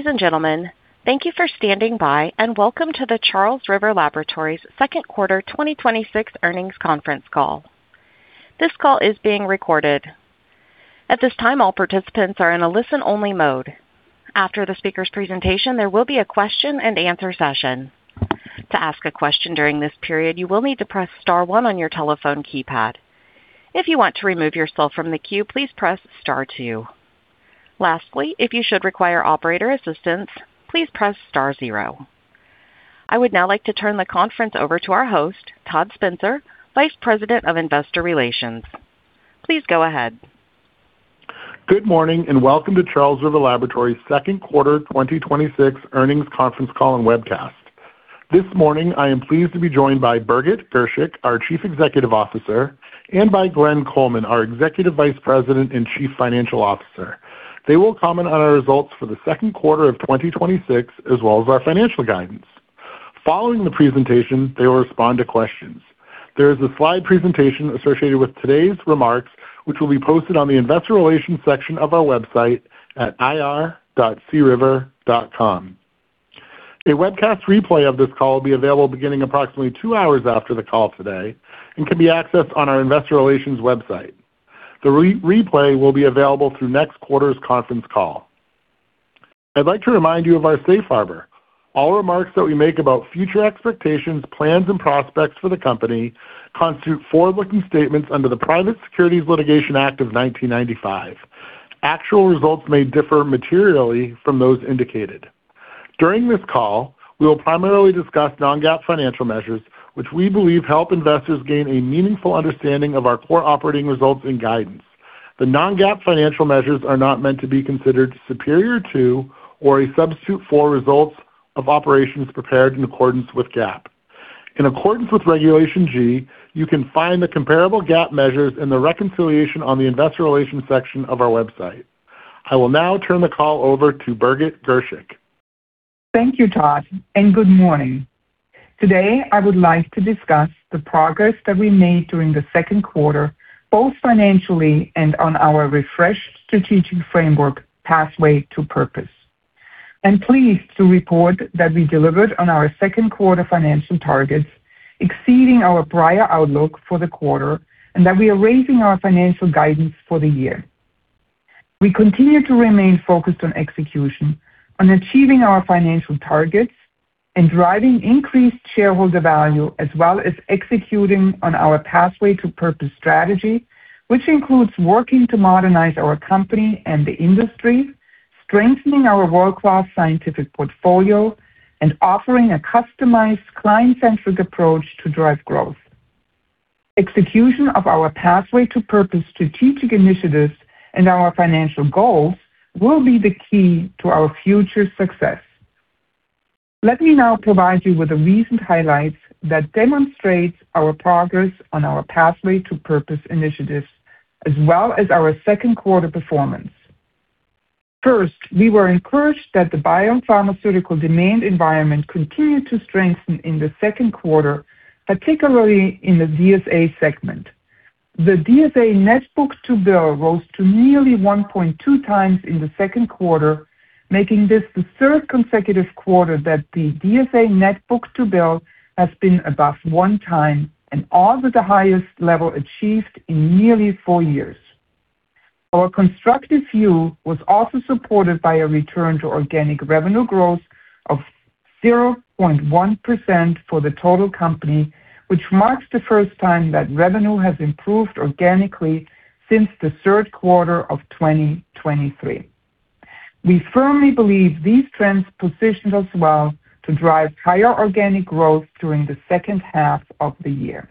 Ladies and gentlemen, thank you for standing by, and welcome to the Charles River Laboratories second quarter 2026 earnings conference call. This call is being recorded. At this time, all participants are in a listen-only mode. After the speaker's presentation, there will be a question and answer session. To ask a question during this period, you will need to press star one on your telephone keypad. If you want to remove yourself from the queue, please press star two. Lastly, if you should require operator assistance, please press star zero. I would now like to turn the conference over to our host, Todd Spencer, Vice President of Investor Relations. Please go ahead. Good morning, and welcome to Charles River Laboratories second quarter 2026 earnings conference call and webcast. This morning, I am pleased to be joined by Birgit Girshick, our Chief Executive Officer, and by Glenn Coleman, our Executive Vice President and Chief Financial Officer. They will comment on our results for the second quarter of 2026, as well as our financial guidance. Following the presentation, they will respond to questions. There is a slide presentation associated with today's remarks, which will be posted on the Investor Relations section of our website at ir.criver.com. A webcast replay of this call will be available beginning approximately two hours after the call today and can be accessed on our Investor Relations website. The replay will be available through next quarter's conference call. I'd like to remind you of our safe harbor. All remarks that we make about future expectations, plans, and prospects for the company constitute forward-looking statements under the Private Securities Litigation Reform Act of 1995. Actual results may differ materially from those indicated. During this call, we will primarily discuss non-GAAP financial measures, which we believe help investors gain a meaningful understanding of our core operating results and guidance. The non-GAAP financial measures are not meant to be considered superior to or a substitute for results of operations prepared in accordance with GAAP. In accordance with Regulation G, you can find the comparable GAAP measures and the reconciliation on the Investor Relations section of our website. I will now turn the call over to Birgit Girshick. Thank you, Todd, and good morning. Today, I would like to discuss the progress that we made during the second quarter, both financially and on our refreshed strategic framework, Pathway of Purpose. I'm pleased to report that we delivered on our second quarter financial targets, exceeding our prior outlook for the quarter, and that we are raising our financial guidance for the year. We continue to remain focused on execution, on achieving our financial targets and driving increased shareholder value, as well as executing on our Pathway of Purpose strategy, which includes working to modernize our company and the industry, strengthening our world-class scientific portfolio, and offering a customized client-centric approach to drive growth. Execution of our Pathway of Purpose strategic initiatives and our financial goals will be the key to our future success. Let me now provide you with the recent highlights that demonstrates our progress on our Pathway of Purpose initiatives, as well as our second quarter performance. First, we were encouraged that the biopharmaceutical demand environment continued to strengthen in the second quarter, particularly in the DSA segment. The DSA net book-to-bill rose to nearly 1.2x in the second quarter, making this the third consecutive quarter that the DSA net book-to-bill has been above one time and also the highest level achieved in nearly four years. Our constructive view was also supported by a return to organic revenue growth of 0.1% for the total company, which marks the first time that revenue has improved organically since the third quarter of 2023. We firmly believe these trends positioned us well to drive higher organic growth during the second half of the year.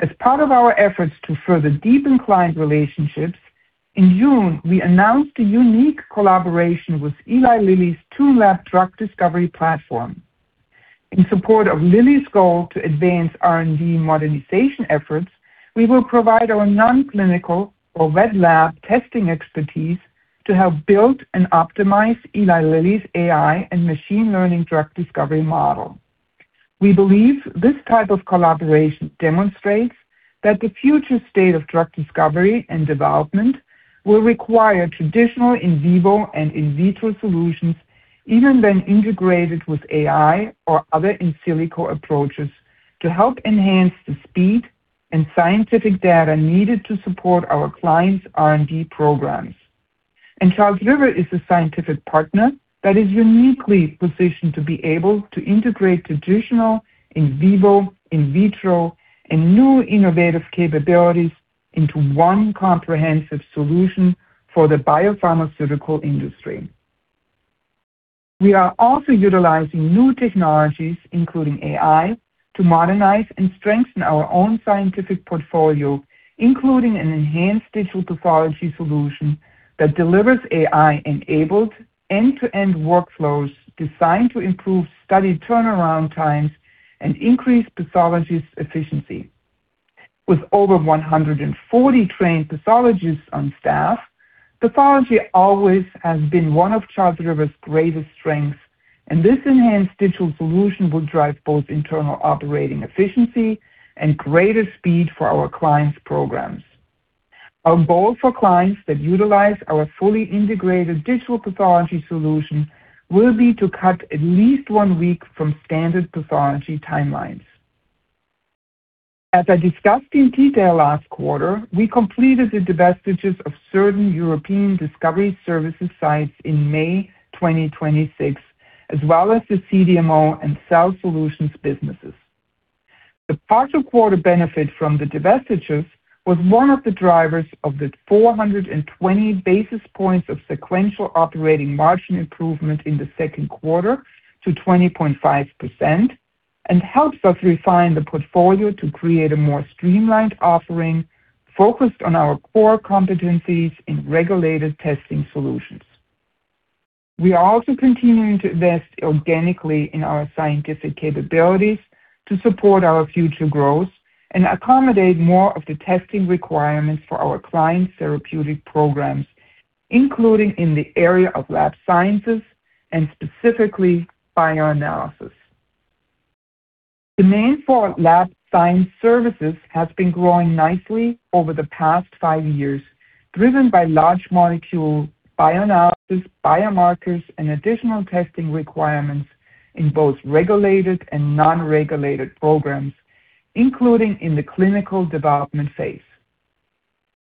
As part of our efforts to further deepen client relationships, in June, we announced a unique collaboration with Eli Lilly's TuneLab drug discovery platform. In support of Lilly's goal to advance R&D modernization efforts, we will provide our non-clinical or reg lab testing expertise to help build and optimize Eli Lilly's AI and machine learning drug discovery model. We believe this type of collaboration demonstrates that the future state of drug discovery and development will require traditional in vivo and in vitro solutions, even when integrated with AI or other in silico approaches, to help enhance the speed and scientific data needed to support our clients' R&D programs. Charles River is a scientific partner that is uniquely positioned to be able to integrate traditional in vivo, in vitro, and new innovative capabilities into one comprehensive solution for the biopharmaceutical industry. We are also utilizing new technologies, including AI, to modernize and strengthen our own scientific portfolio, including an enhanced digital pathology solution that delivers AI-enabled end-to-end workflows designed to improve study turnaround times and increase pathology's efficiency. With over 140 trained pathologists on staff, pathology always has been one of Charles River's greatest strengths, and this enhanced digital solution will drive both internal operating efficiency and greater speed for our clients' programs. Our goal for clients that utilize our fully integrated digital pathology solution will be to cut at least one week from standard pathology timelines. As I discussed in detail last quarter, we completed the divestitures of certain European discovery services sites in May 2026, as well as the CDMO and cell solutions businesses. The partial quarter benefit from the divestitures was one of the drivers of the 420 basis points of sequential operating margin improvement in the second quarter to 20.5%, and helps us refine the portfolio to create a more streamlined offering focused on our core competencies in regulated testing solutions. We are also continuing to invest organically in our scientific capabilities to support our future growth and accommodate more of the testing requirements for our clients' therapeutic programs, including in the area of lab sciences and specifically bioanalysis. Demand for lab science services has been growing nicely over the past five years, driven by large molecule bioanalysis, biomarkers, and additional testing requirements in both regulated and non-regulated programs, including in the clinical development phase.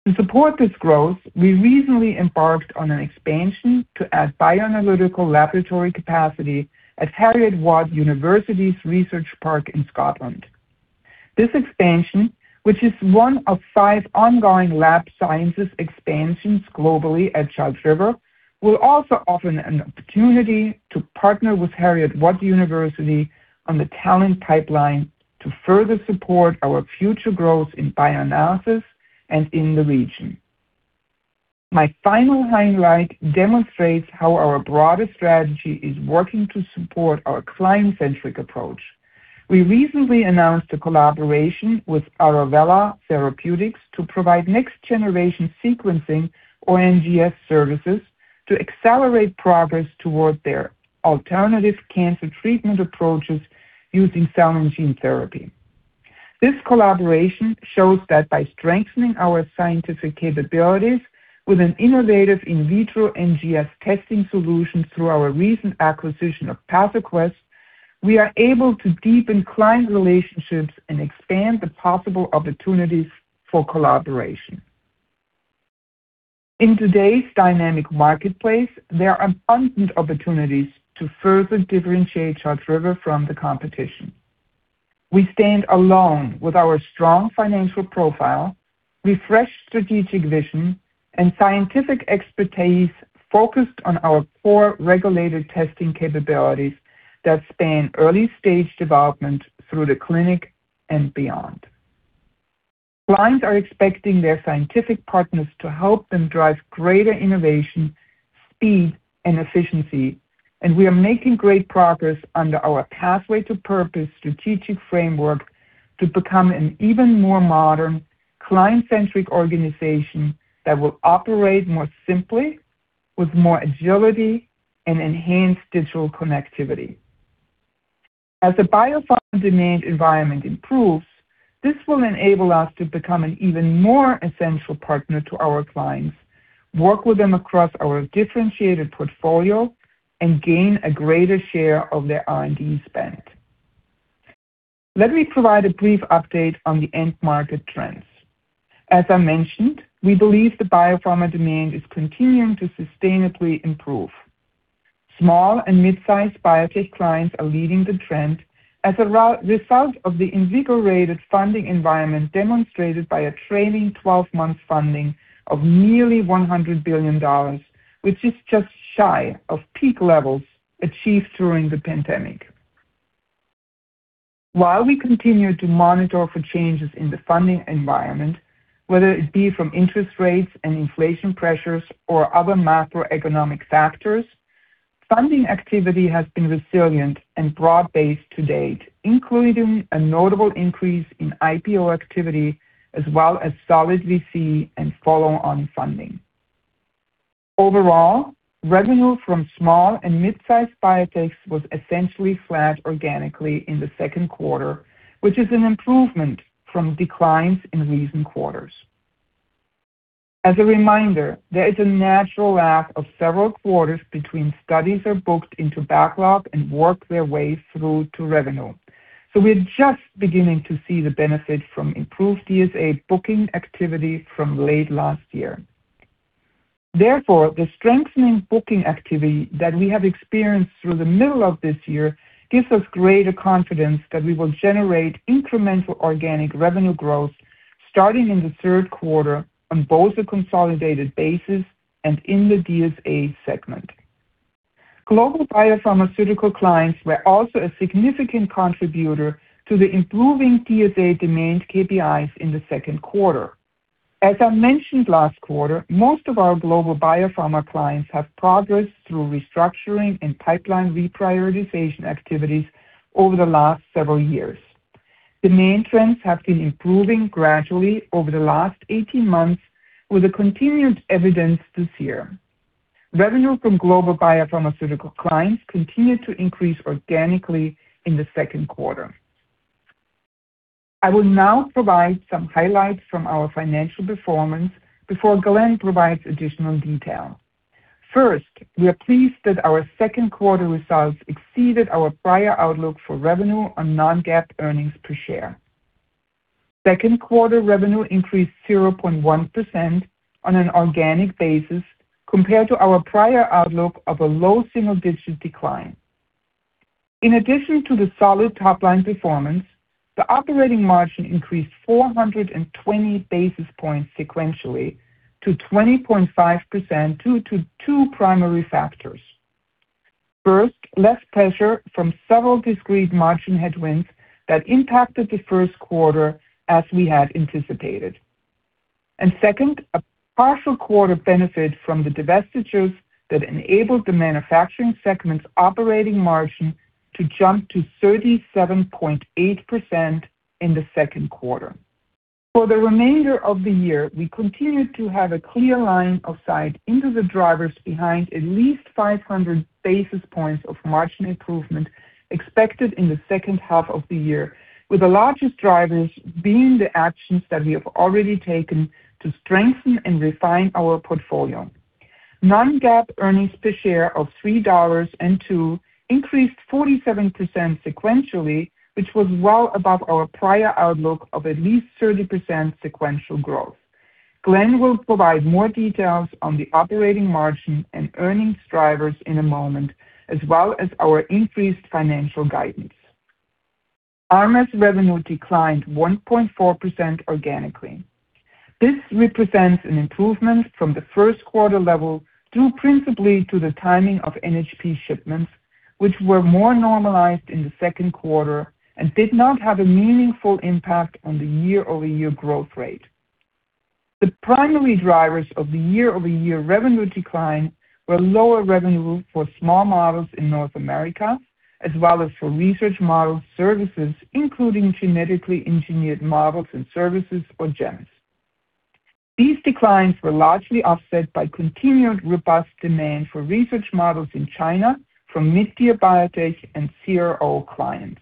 To support this growth, we recently embarked on an expansion to add bioanalytical laboratory capacity at Heriot-Watt University's Research Park in Scotland. This expansion, which is one of five ongoing lab sciences expansions globally at Charles River, will also offer an opportunity to partner with Heriot-Watt University on the talent pipeline to further support our future growth in bioanalysis and in the region. My final highlight demonstrates how our broader strategy is working to support our client-centric approach. We recently announced a collaboration with Arovella Therapeutics to provide next-generation sequencing or NGS services to accelerate progress toward their alternative cancer treatment approaches using cell and gene therapy. This collaboration shows that by strengthening our scientific capabilities with an innovative in vitro NGS testing solution through our recent acquisition of PathoQuest, we are able to deepen client relationships and expand the possible opportunities for collaboration. In today's dynamic marketplace, there are abundant opportunities to further differentiate Charles River from the competition. We stand alone with our strong financial profile, refreshed strategic vision, and scientific expertise focused on our core regulated testing capabilities that span early-stage development through the clinic and beyond. Clients are expecting their scientific partners to help them drive greater innovation, speed, and efficiency. We are making great progress under our Pathway of Purpose strategic framework to become an even more modern, client-centric organization that will operate more simply with more agility and enhanced digital connectivity. The biopharma demand environment improves, this will enable us to become an even more essential partner to our clients, work with them across our differentiated portfolio, and gain a greater share of their R&D spend. Let me provide a brief update on the end market trends. I mentioned, we believe the biopharma demand is continuing to sustainably improve. Small and mid-sized biotech clients are leading the trend as a result of the invigorated funding environment demonstrated by a trailing 12-month funding of nearly $100 billion, which is just shy of peak levels achieved during the pandemic. We continue to monitor for changes in the funding environment, whether it be from interest rates and inflation pressures or other macroeconomic factors, funding activity has been resilient and broad-based to date, including a notable increase in IPO activity as well as solid VC and follow-on funding. Revenue from small and mid-sized biotechs was essentially flat organically in the second quarter, which is an improvement from declines in recent quarters. A reminder, there is a natural lag of several quarters between studies are booked into backlog and work their way through to revenue. We are just beginning to see the benefit from improved DSA booking activity from late last year. Therefore, the strengthening booking activity that we have experienced through the middle of this year gives us greater confidence that we will generate incremental organic revenue growth starting in the third quarter on both a consolidated basis and in the DSA segment. Global biopharmaceutical clients were also a significant contributor to the improving DSA demand KPIs in the second quarter. As I mentioned last quarter, most of our global biopharma clients have progressed through restructuring and pipeline reprioritization activities over the last several years. Demand trends have been improving gradually over the last 18 months with continued evidence this year. Revenue from global biopharmaceutical clients continued to increase organically in the second quarter. I will now provide some highlights from our financial performance before Glenn provides additional detail. First, we are pleased that our second quarter results exceeded our prior outlook for revenue on non-GAAP earnings per share. Second quarter revenue increased 0.1% on an organic basis compared to our prior outlook of a low single-digit decline. In addition to the solid top-line performance, the operating margin increased 420 basis points sequentially to 20.5% due to two primary factors. First, less pressure from several discrete margin headwinds that impacted the first quarter as we had anticipated. Second, a partial quarter benefit from the divestitures that enabled the manufacturing segment's operating margin to jump to 37.8% in the second quarter. For the remainder of the year, we continue to have a clear line of sight into the drivers behind at least 500 basis points of margin improvement expected in the second half of the year, with the largest drivers being the actions that we have already taken to strengthen and refine our portfolio. Non-GAAP earnings per share of $3.02 increased 47% sequentially, which was well above our prior outlook of at least 30% sequential growth. Glenn will provide more details on the operating margin and earnings drivers in a moment, as well as our increased financial guidance. RMS revenue declined 1.4% organically. This represents an improvement from the first quarter level, due principally to the timing of NHP shipments, which were more normalized in the second quarter and did not have a meaningful impact on the year-over-year growth rate. The primary drivers of the year-over-year revenue decline were lower revenue for small models in North America, as well as for research model services, including genetically engineered models and services or GEMs. These declines were largely offset by continued robust demand for research models in China from mid-tier biotech and CRO clients.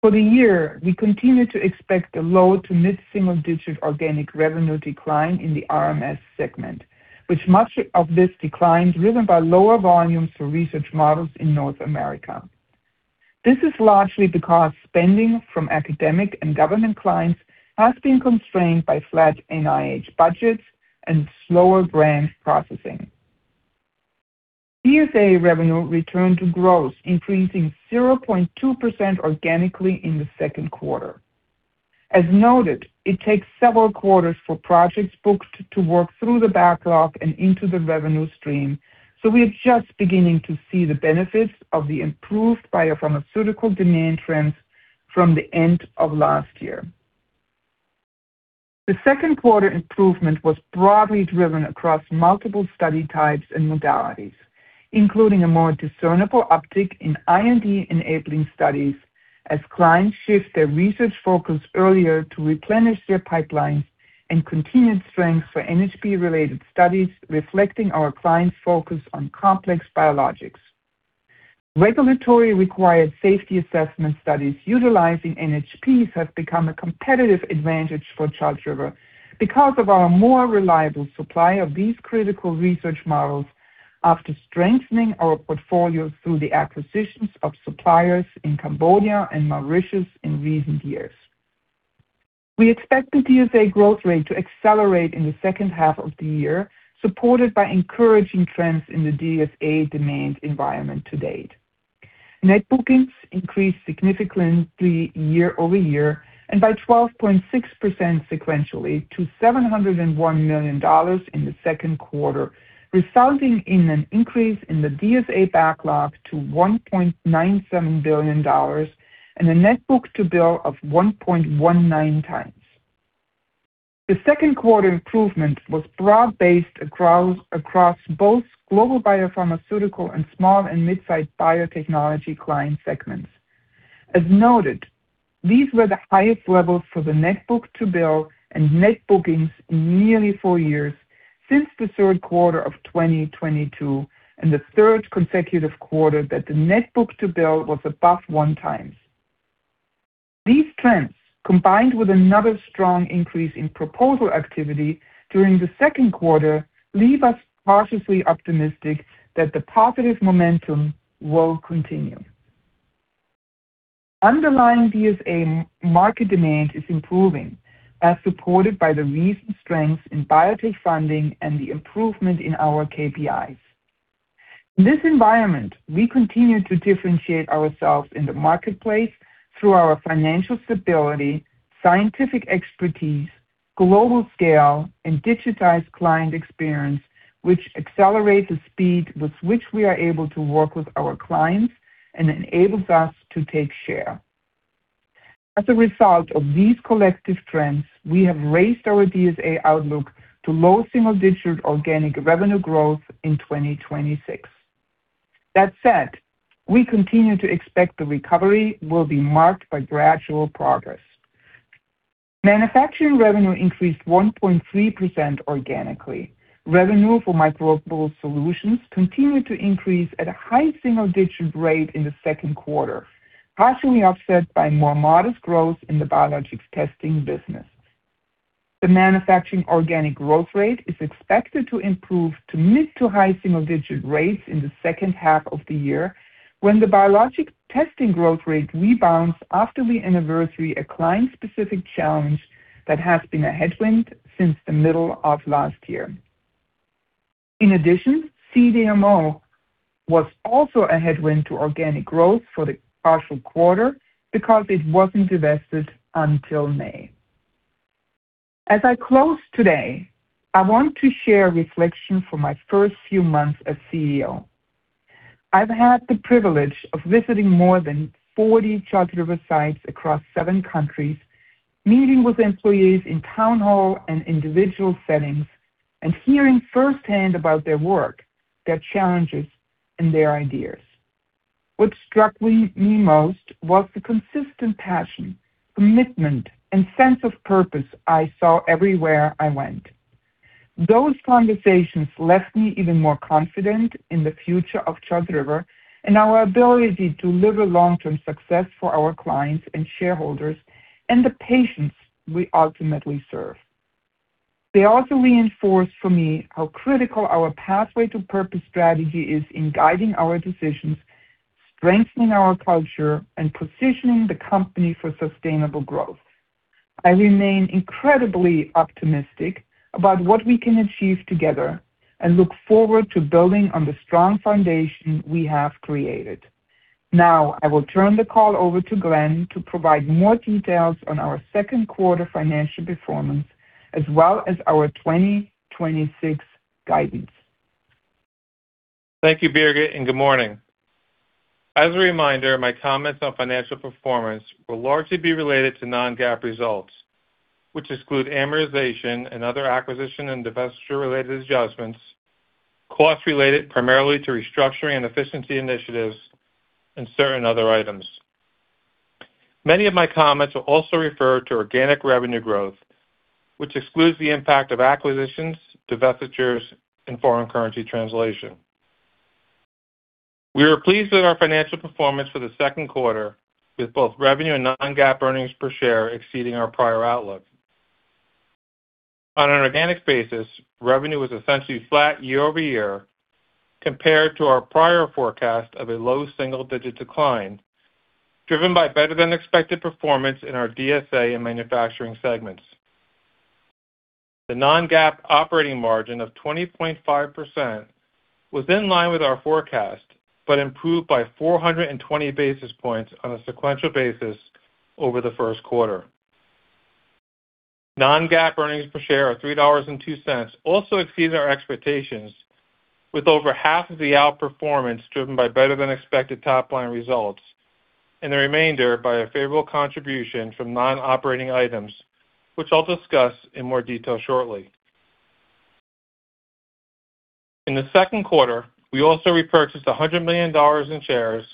For the year, we continue to expect a low to mid-single digit organic revenue decline in the RMS segment, with much of this decline driven by lower volumes for research models in North America. This is largely because spending from academic and government clients has been constrained by flat NIH budgets and slower grants processing. DSA revenue returned to growth, increasing 0.2% organically in the second quarter. As noted, it takes several quarters for projects booked to work through the backlog and into the revenue stream. We are just beginning to see the benefits of the improved biopharmaceutical demand trends from the end of last year. The second quarter improvement was broadly driven across multiple study types and modalities, including a more discernible uptick in IND-enabling studies as clients shift their research focus earlier to replenish their pipelines and continued strength for NHP-related studies reflecting our clients' focus on complex biologics. Regulatory required safety assessment studies utilizing NHPs have become a competitive advantage for Charles River because of our more reliable supply of these critical research models after strengthening our portfolio through the acquisitions of suppliers in Cambodia and Mauritius in recent years. We expect the DSA growth rate to accelerate in the second half of the year, supported by encouraging trends in the DSA demand environment to date. Net bookings increased significantly year-over-year and by 12.6% sequentially to $701 million in the second quarter, resulting in an increase in the DSA backlog to $1.97 billion and a net book-to-bill of 1.19x. The second quarter improvement was broad-based across both global biopharmaceutical and small and mid-sized biotechnology client segments. As noted, these were the highest levels for the net book-to-bill and net bookings in nearly four years since the third quarter of 2022 and the third consecutive quarter that the net book-to-bill was above one times. These trends, combined with another strong increase in proposal activity during the second quarter, leave us cautiously optimistic that the positive momentum will continue. Underlying DSA market demand is improving, as supported by the recent strength in biotech funding and the improvement in our KPIs. In this environment, we continue to differentiate ourselves in the marketplace through our financial stability, scientific expertise, global scale, and digitized client experience, which accelerates the speed with which we are able to work with our clients and enables us to take share. As a result of these collective trends, we have raised our DSA outlook to low single-digit organic revenue growth in 2026. That said, we continue to expect the recovery will be marked by gradual progress. Manufacturing revenue increased 1.3% organically. Revenue for Microbial Solutions continued to increase at a high single-digit rate in the second quarter, partially offset by more modest growth in the biologics testing business. The manufacturing organic growth rate is expected to improve to mid to high single-digit rates in the second half of the year when the biologic testing growth rate rebounds after we anniversary a client-specific challenge that has been a headwind since the middle of last year. In addition, CDMO was also a headwind to organic growth for the partial quarter because it wasn't divested until May. As I close today, I want to share a reflection for my first few months as CEO. I've had the privilege of visiting more than 40 Charles River sites across seven countries, meeting with employees in town hall and individual settings, and hearing firsthand about their work, their challenges, and their ideas. What struck me most was the consistent passion, commitment, and sense of purpose I saw everywhere I went. Those conversations left me even more confident in the future of Charles River and our ability to deliver long-term success for our clients and shareholders and the patients we ultimately serve. They also reinforced for me how critical our Pathway of Purpose strategy is in guiding our decisions, strengthening our culture, and positioning the company for sustainable growth. I remain incredibly optimistic about what we can achieve together and look forward to building on the strong foundation we have created. Now, I will turn the call over to Glenn to provide more details on our second quarter financial performance, as well as our 2026 guidance. Thank you, Birgit, and good morning. As a reminder, my comments on financial performance will largely be related to non-GAAP results, which exclude amortization and other acquisition and divestiture-related adjustments, costs related primarily to restructuring and efficiency initiatives, and certain other items. Many of my comments will also refer to organic revenue growth, which excludes the impact of acquisitions, divestitures and foreign currency translation. We are pleased with our financial performance for the second quarter, with both revenue and non-GAAP earnings per share exceeding our prior outlook. On an organic basis, revenue was essentially flat year-over-year compared to our prior forecast of a low single-digit decline, driven by better than expected performance in our DSA and manufacturing segments. The non-GAAP operating margin of 20.5% was in line with our forecast but improved by 420 basis points on a sequential basis over the first quarter. Non-GAAP earnings per share of $3.02 also exceeded our expectations, with over half of the outperformance driven by better than expected top-line results and the remainder by a favorable contribution from non-operating items, which I'll discuss in more detail shortly. In the second quarter, we also repurchased $100 million in shares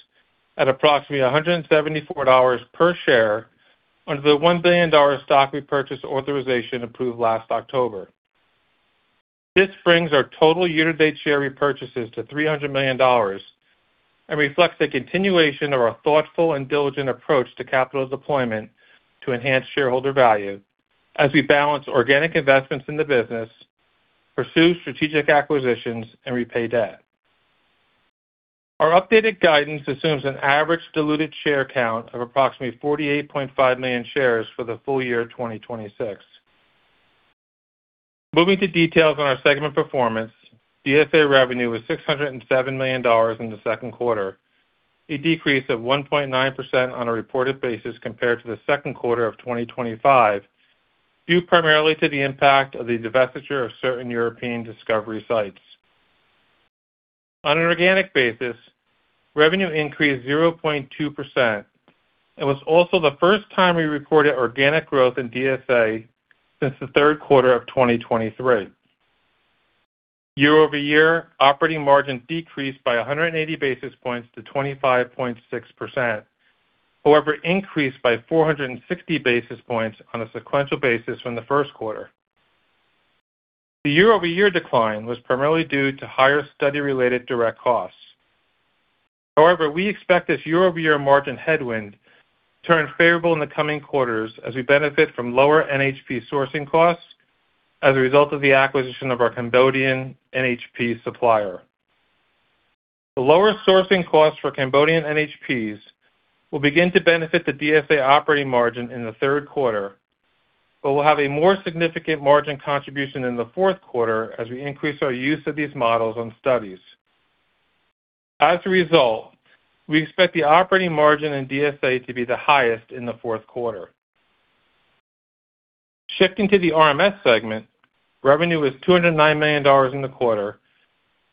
at approximately $174 per share under the $1 billion stock repurchase authorization approved last October. This brings our total year-to-date share repurchases to $300 million and reflects the continuation of our thoughtful and diligent approach to capital deployment to enhance shareholder value as we balance organic investments in the business, pursue strategic acquisitions, and repay debt. Our updated guidance assumes an average diluted share count of approximately 48.5 million shares for the full year 2026. Moving to details on our segment performance, DSA revenue was $607 million in the second quarter, a decrease of 1.9% on a reported basis compared to the second quarter of 2025, due primarily to the impact of the divestiture of certain European discovery sites. On an organic basis, revenue increased 0.2% and was also the first time we reported organic growth in DSA since the third quarter of 2023. Year-over-year, operating margin decreased by 180 basis points to 25.6%, however, increased by 460 basis points on a sequential basis from the first quarter. The year-over-year decline was primarily due to higher study-related direct costs. However, we expect this year-over-year margin headwind to turn favorable in the coming quarters as we benefit from lower NHP sourcing costs as a result of the acquisition of our Cambodian NHP supplier. The lower sourcing costs for Cambodian NHPs will begin to benefit the DSA operating margin in the third quarter, but will have a more significant margin contribution in the fourth quarter as we increase our use of these models on studies. As a result, we expect the operating margin in DSA to be the highest in the fourth quarter. Shifting to the RMS segment, revenue was $209 million in the quarter,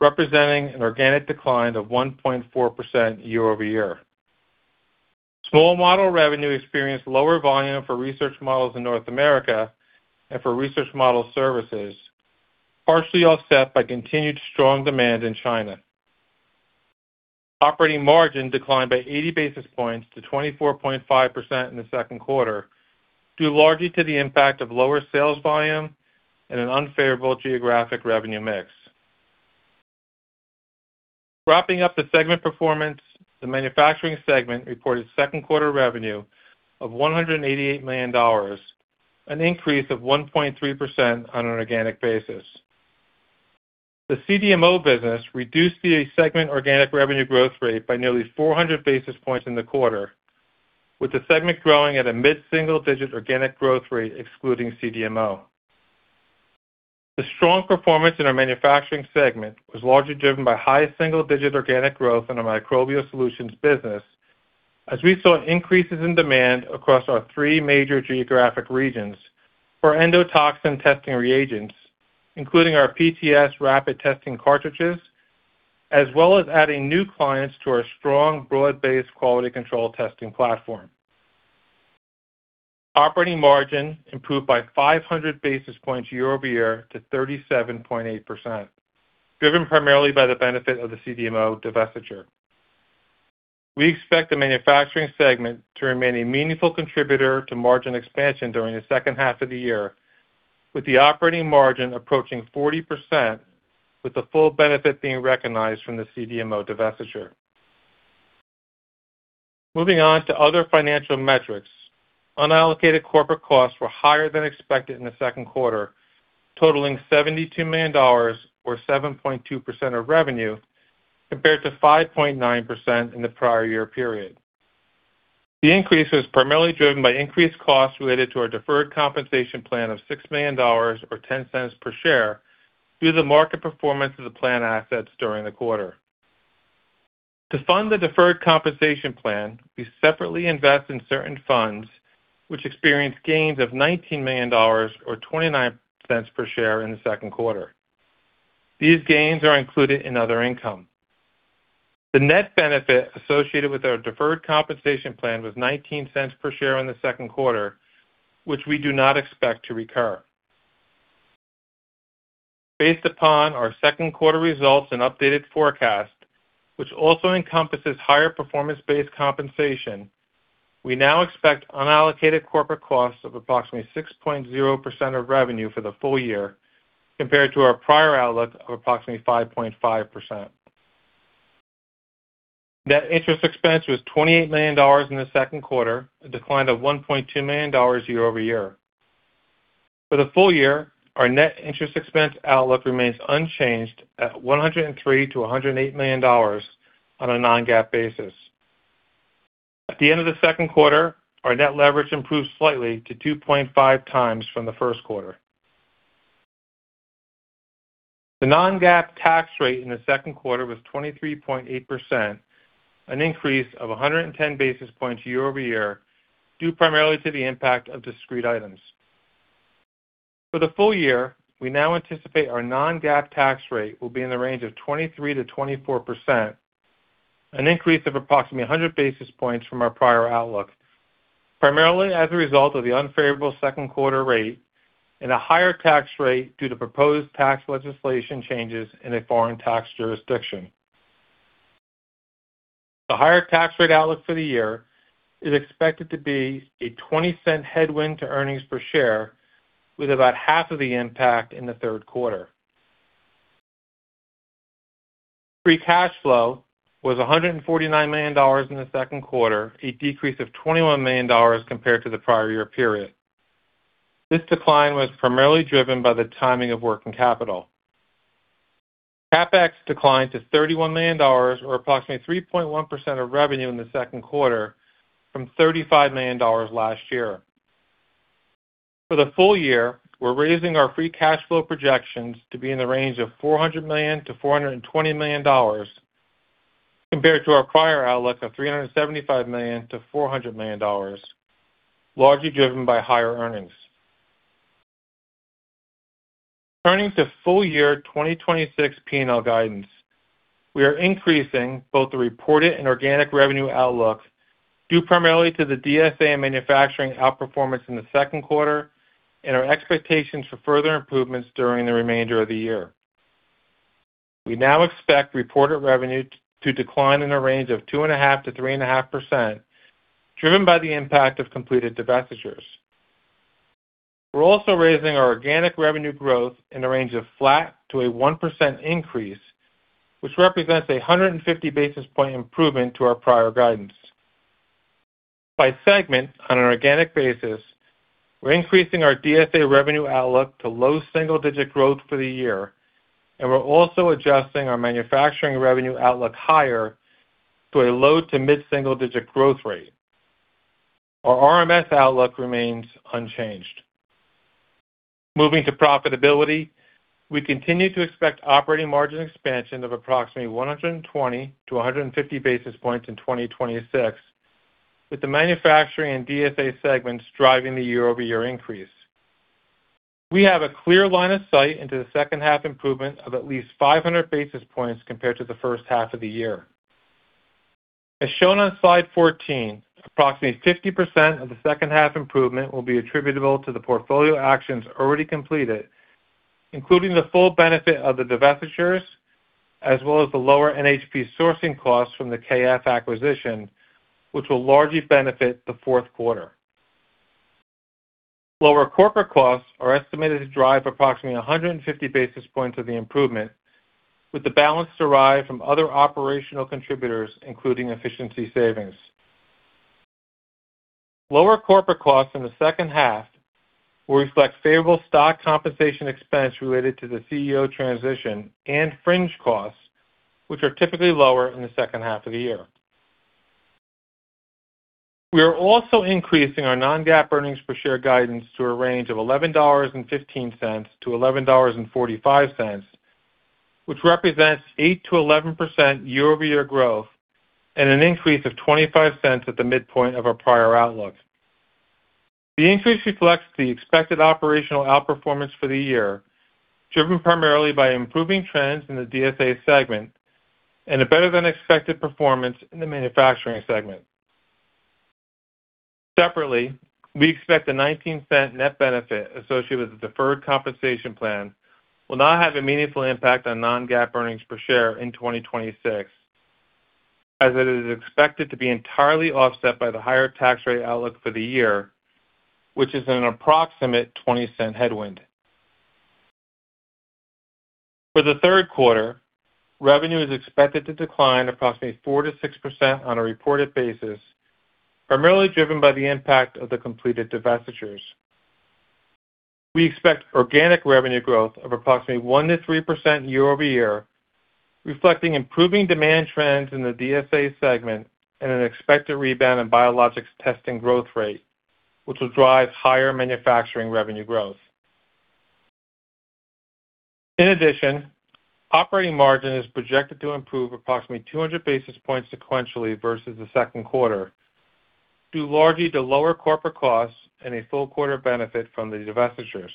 representing an organic decline of 1.4% year-over-year. Small model revenue experienced lower volume for research models in North America and for research model services, partially offset by continued strong demand in China. Operating margin declined by 80 basis points to 24.5% in the second quarter, due largely to the impact of lower sales volume and an unfavorable geographic revenue mix. Wrapping up the segment performance, the manufacturing segment reported second quarter revenue of $188 million, an increase of 1.3% on an organic basis. The CDMO business reduced the segment organic revenue growth rate by nearly 400 basis points in the quarter, with the segment growing at a mid-single-digit organic growth rate excluding CDMO. The strong performance in our manufacturing segment was largely driven by high single-digit organic growth in our Microbial Solutions business as we saw increases in demand across our three major geographic regions for endotoxin testing reagents, including our PTS rapid testing cartridges, as well as adding new clients to our strong, broad-based quality control testing platform. Operating margin improved by 500 basis points year-over-year to 37.8%, driven primarily by the benefit of the CDMO divestiture. We expect the manufacturing segment to remain a meaningful contributor to margin expansion during the second half of the year, with the operating margin approaching 40% with the full benefit being recognized from the CDMO divestiture. Moving on to other financial metrics, unallocated corporate costs were higher than expected in the second quarter, totaling $72 million or 7.2% of revenue, compared to 5.9% in the prior year period. The increase was primarily driven by increased costs related to our deferred compensation plan of $6 million or $0.10 per share due to the market performance of the plan assets during the quarter. To fund the deferred compensation plan, we separately invest in certain funds which experienced gains of $19 million, or $0.29 per share in the second quarter. These gains are included in other income. The net benefit associated with our deferred compensation plan was $0.19 per share in the second quarter, which we do not expect to recur. Based upon our second quarter results and updated forecast, which also encompasses higher performance-based compensation, we now expect unallocated corporate costs of approximately 6.0% of revenue for the full year, compared to our prior outlook of approximately 5.5%. Net interest expense was $28 million in the second quarter, a decline of $1.2 million year-over-year. For the full year, our net interest expense outlook remains unchanged at $103 million-$108 million on a non-GAAP basis. At the end of the second quarter, our net leverage improved slightly to 2.5x from the first quarter. The non-GAAP tax rate in the second quarter was 23.8%, an increase of 110 basis points year-over-year, due primarily to the impact of discrete items. For the full year, we now anticipate our non-GAAP tax rate will be in the range of 23%-24%, an increase of approximately 100 basis points from our prior outlook, primarily as a result of the unfavorable second quarter rate and a higher tax rate due to proposed tax legislation changes in a foreign tax jurisdiction. The higher tax rate outlook for the year is expected to be a $0.20 headwind to earnings per share, with about half of the impact in the third quarter. Free cash flow was $149 million in the second quarter, a decrease of $21 million compared to the prior year period. This decline was primarily driven by the timing of working capital. CapEx declined to $31 million, or approximately 3.1% of revenue in the second quarter from $35 million last year. For the full year, we're raising our free cash flow projections to be in the range of $400 million-$420 million, compared to our prior outlook of $375 million-$400 million, largely driven by higher earnings. Turning to full year 2026 P&L guidance, we are increasing both the reported and organic revenue outlooks due primarily to the DSA manufacturing outperformance in the second quarter and our expectations for further improvements during the remainder of the year. We now expect reported revenue to decline in the range of 2.5%-3.5%, driven by the impact of completed divestitures. We're also raising our organic revenue growth in the range of flat to a 1% increase, which represents a 150 basis point improvement to our prior guidance. By segment, on an organic basis, we're increasing our DSA revenue outlook to low single digit growth for the year. We're also adjusting our manufacturing revenue outlook higher to a low to mid single digit growth rate. Our RMS outlook remains unchanged. Moving to profitability, we continue to expect operating margin expansion of approximately 120-150 basis points in 2026, with the manufacturing and DSA segments driving the year-over-year increase. We have a clear line of sight into the second half improvement of at least 500 basis points compared to the first half of the year. As shown on slide 14, approximately 50% of the second half improvement will be attributable to the portfolio actions already completed, including the full benefit of the divestitures, as well as the lower NHP sourcing costs from the K.F. acquisition, which will largely benefit the fourth quarter. Lower corporate costs are estimated to drive approximately 150 basis points of the improvement, with the balance derived from other operational contributors, including efficiency savings. Lower corporate costs in the second half will reflect favorable stock compensation expense related to the CEO transition and fringe costs, which are typically lower in the second half of the year. We are also increasing our non-GAAP earnings per share guidance to a range of $11.15-$11.45, which represents 8%-11% year-over-year growth and an increase of $0.25 at the midpoint of our prior outlook. The increase reflects the expected operational outperformance for the year, driven primarily by improving trends in the DSA segment and a better than expected performance in the manufacturing segment. Separately, we expect the $0.19 net benefit associated with the deferred compensation plan will not have a meaningful impact on non-GAAP earnings per share in 2026, as it is expected to be entirely offset by the higher tax rate outlook for the year, which is an approximate $0.20 headwind. For the third quarter, revenue is expected to decline approximately 4%-6% on a reported basis, primarily driven by the impact of the completed divestitures. We expect organic revenue growth of approximately 1%-3% year-over-year, reflecting improving demand trends in the DSA segment and an expected rebound in biologics testing growth rate, which will drive higher manufacturing revenue growth. In addition, operating margin is projected to improve approximately 200 basis points sequentially versus the second quarter, due largely to lower corporate costs and a full quarter benefit from the divestitures.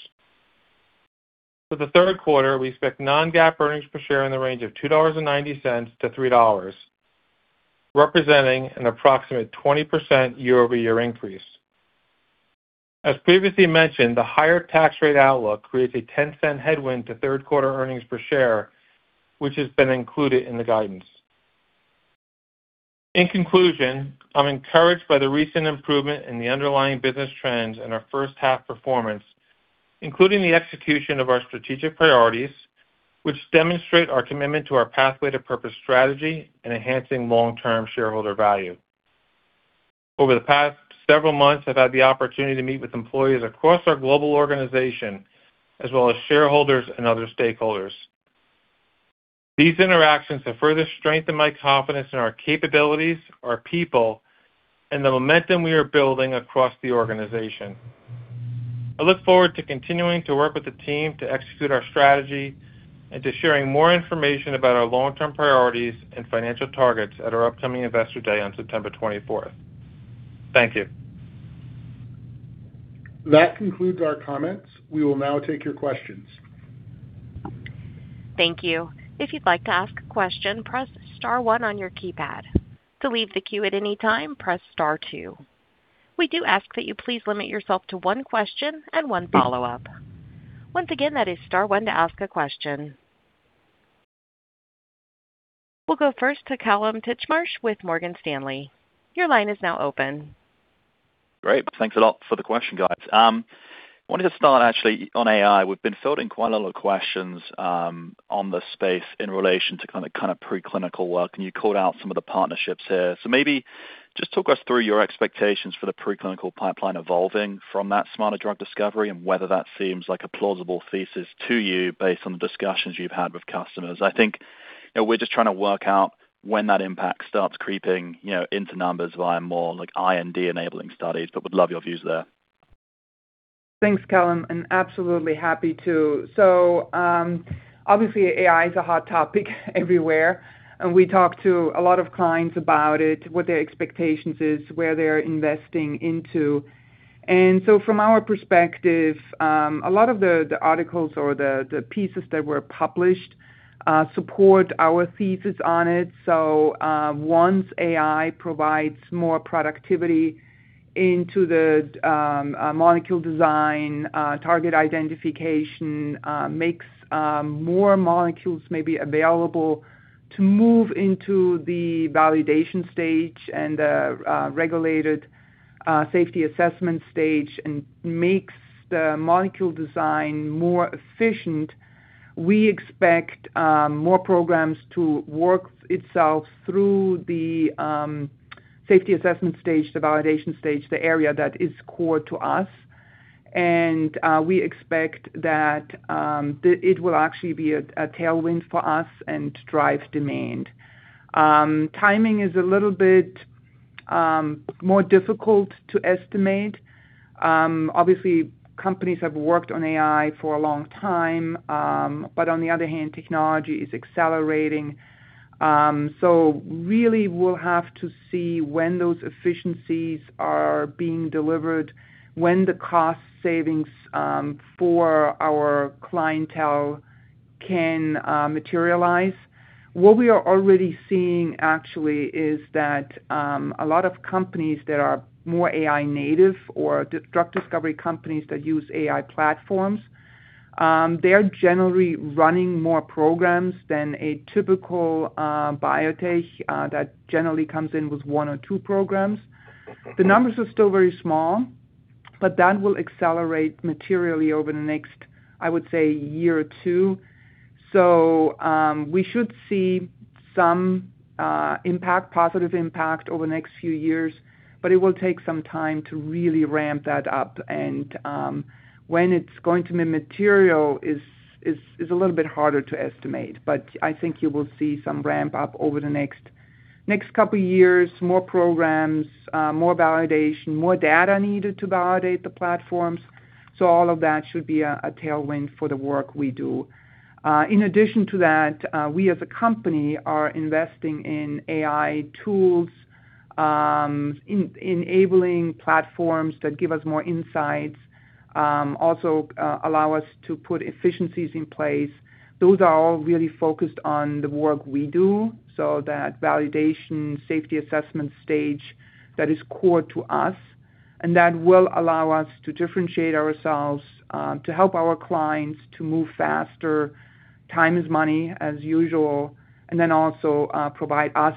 For the third quarter, we expect non-GAAP earnings per share in the range of $2.90-$3, representing an approximate 20% year-over-year increase. As previously mentioned, the higher tax rate outlook creates a $0.10 headwind to third quarter earnings per share, which has been included in the guidance. In conclusion, I'm encouraged by the recent improvement in the underlying business trends and our first half performance, including the execution of our strategic priorities, which demonstrate our commitment to our Pathway of Purpose strategy and enhancing long-term shareholder value. Over the past several months, I've had the opportunity to meet with employees across our global organization, as well as shareholders and other stakeholders. These interactions have further strengthened my confidence in our capabilities, our people, and the momentum we are building across the organization. I look forward to continuing to work with the team to execute our strategy and to sharing more information about our long-term priorities and financial targets at our upcoming Investor Day on September 24th. Thank you. That concludes our comments. We will now take your questions. Thank you. If you'd like to ask a question, press star one on your keypad. To leave the queue at any time, press star two. We do ask that you please limit yourself to one question and one follow-up. Once again, that is star one to ask a question. We'll go first to Kallum Titchmarsh with Morgan Stanley. Your line is now open. Great. Thanks a lot for the question, guys. Wanted to start actually on AI. We've been fielding quite a lot of questions on the space in relation to preclinical work, and you called out some of the partnerships here. Maybe just talk us through your expectations for the preclinical pipeline evolving from that smarter drug discovery and whether that seems like a plausible thesis to you based on the discussions you've had with customers. I think we're just trying to work out when that impact starts creeping into numbers via more IND enabling studies, would love your views there. Thanks, Kallum, absolutely happy to. Obviously AI is a hot topic everywhere, and we talk to a lot of clients about it, what their expectations is, where they're investing into. From our perspective, a lot of the articles or the pieces that were published support our thesis on it. Once AI provides more productivity into the molecule design, target identification, makes more molecules maybe available to move into the validation stage and regulated safety assessment stage and makes the molecule design more efficient, we expect more programs to work itself through the safety assessment stage, the validation stage, the area that is core to us. We expect that it will actually be a tailwind for us and drive demand. Timing is a little bit more difficult to estimate. Obviously, companies have worked on AI for a long time, on the other hand, technology is accelerating. Really we'll have to see when those efficiencies are being delivered, when the cost savings for our clientele can materialize. What we are already seeing actually is that a lot of companies that are more AI native or drug discovery companies that use AI platforms, they're generally running more programs than a typical biotech that generally comes in with one or two programs. The numbers are still very small, that will accelerate materially over the next, I would say, year or two. We should see some positive impact over the next few years, it will take some time to really ramp that up. When it's going to be material is a little bit harder to estimate, I think you will see some ramp up over the next couple of years, more programs, more validation, more data needed to validate the platforms. All of that should be a tailwind for the work we do. In addition to that, we as a company are investing in AI tools, enabling platforms that give us more insights, also allow us to put efficiencies in place. Those are all really focused on the work we do so that validation, safety assessment stage that is core to us, that will allow us to differentiate ourselves, to help our clients to move faster. Time is money as usual, also provide us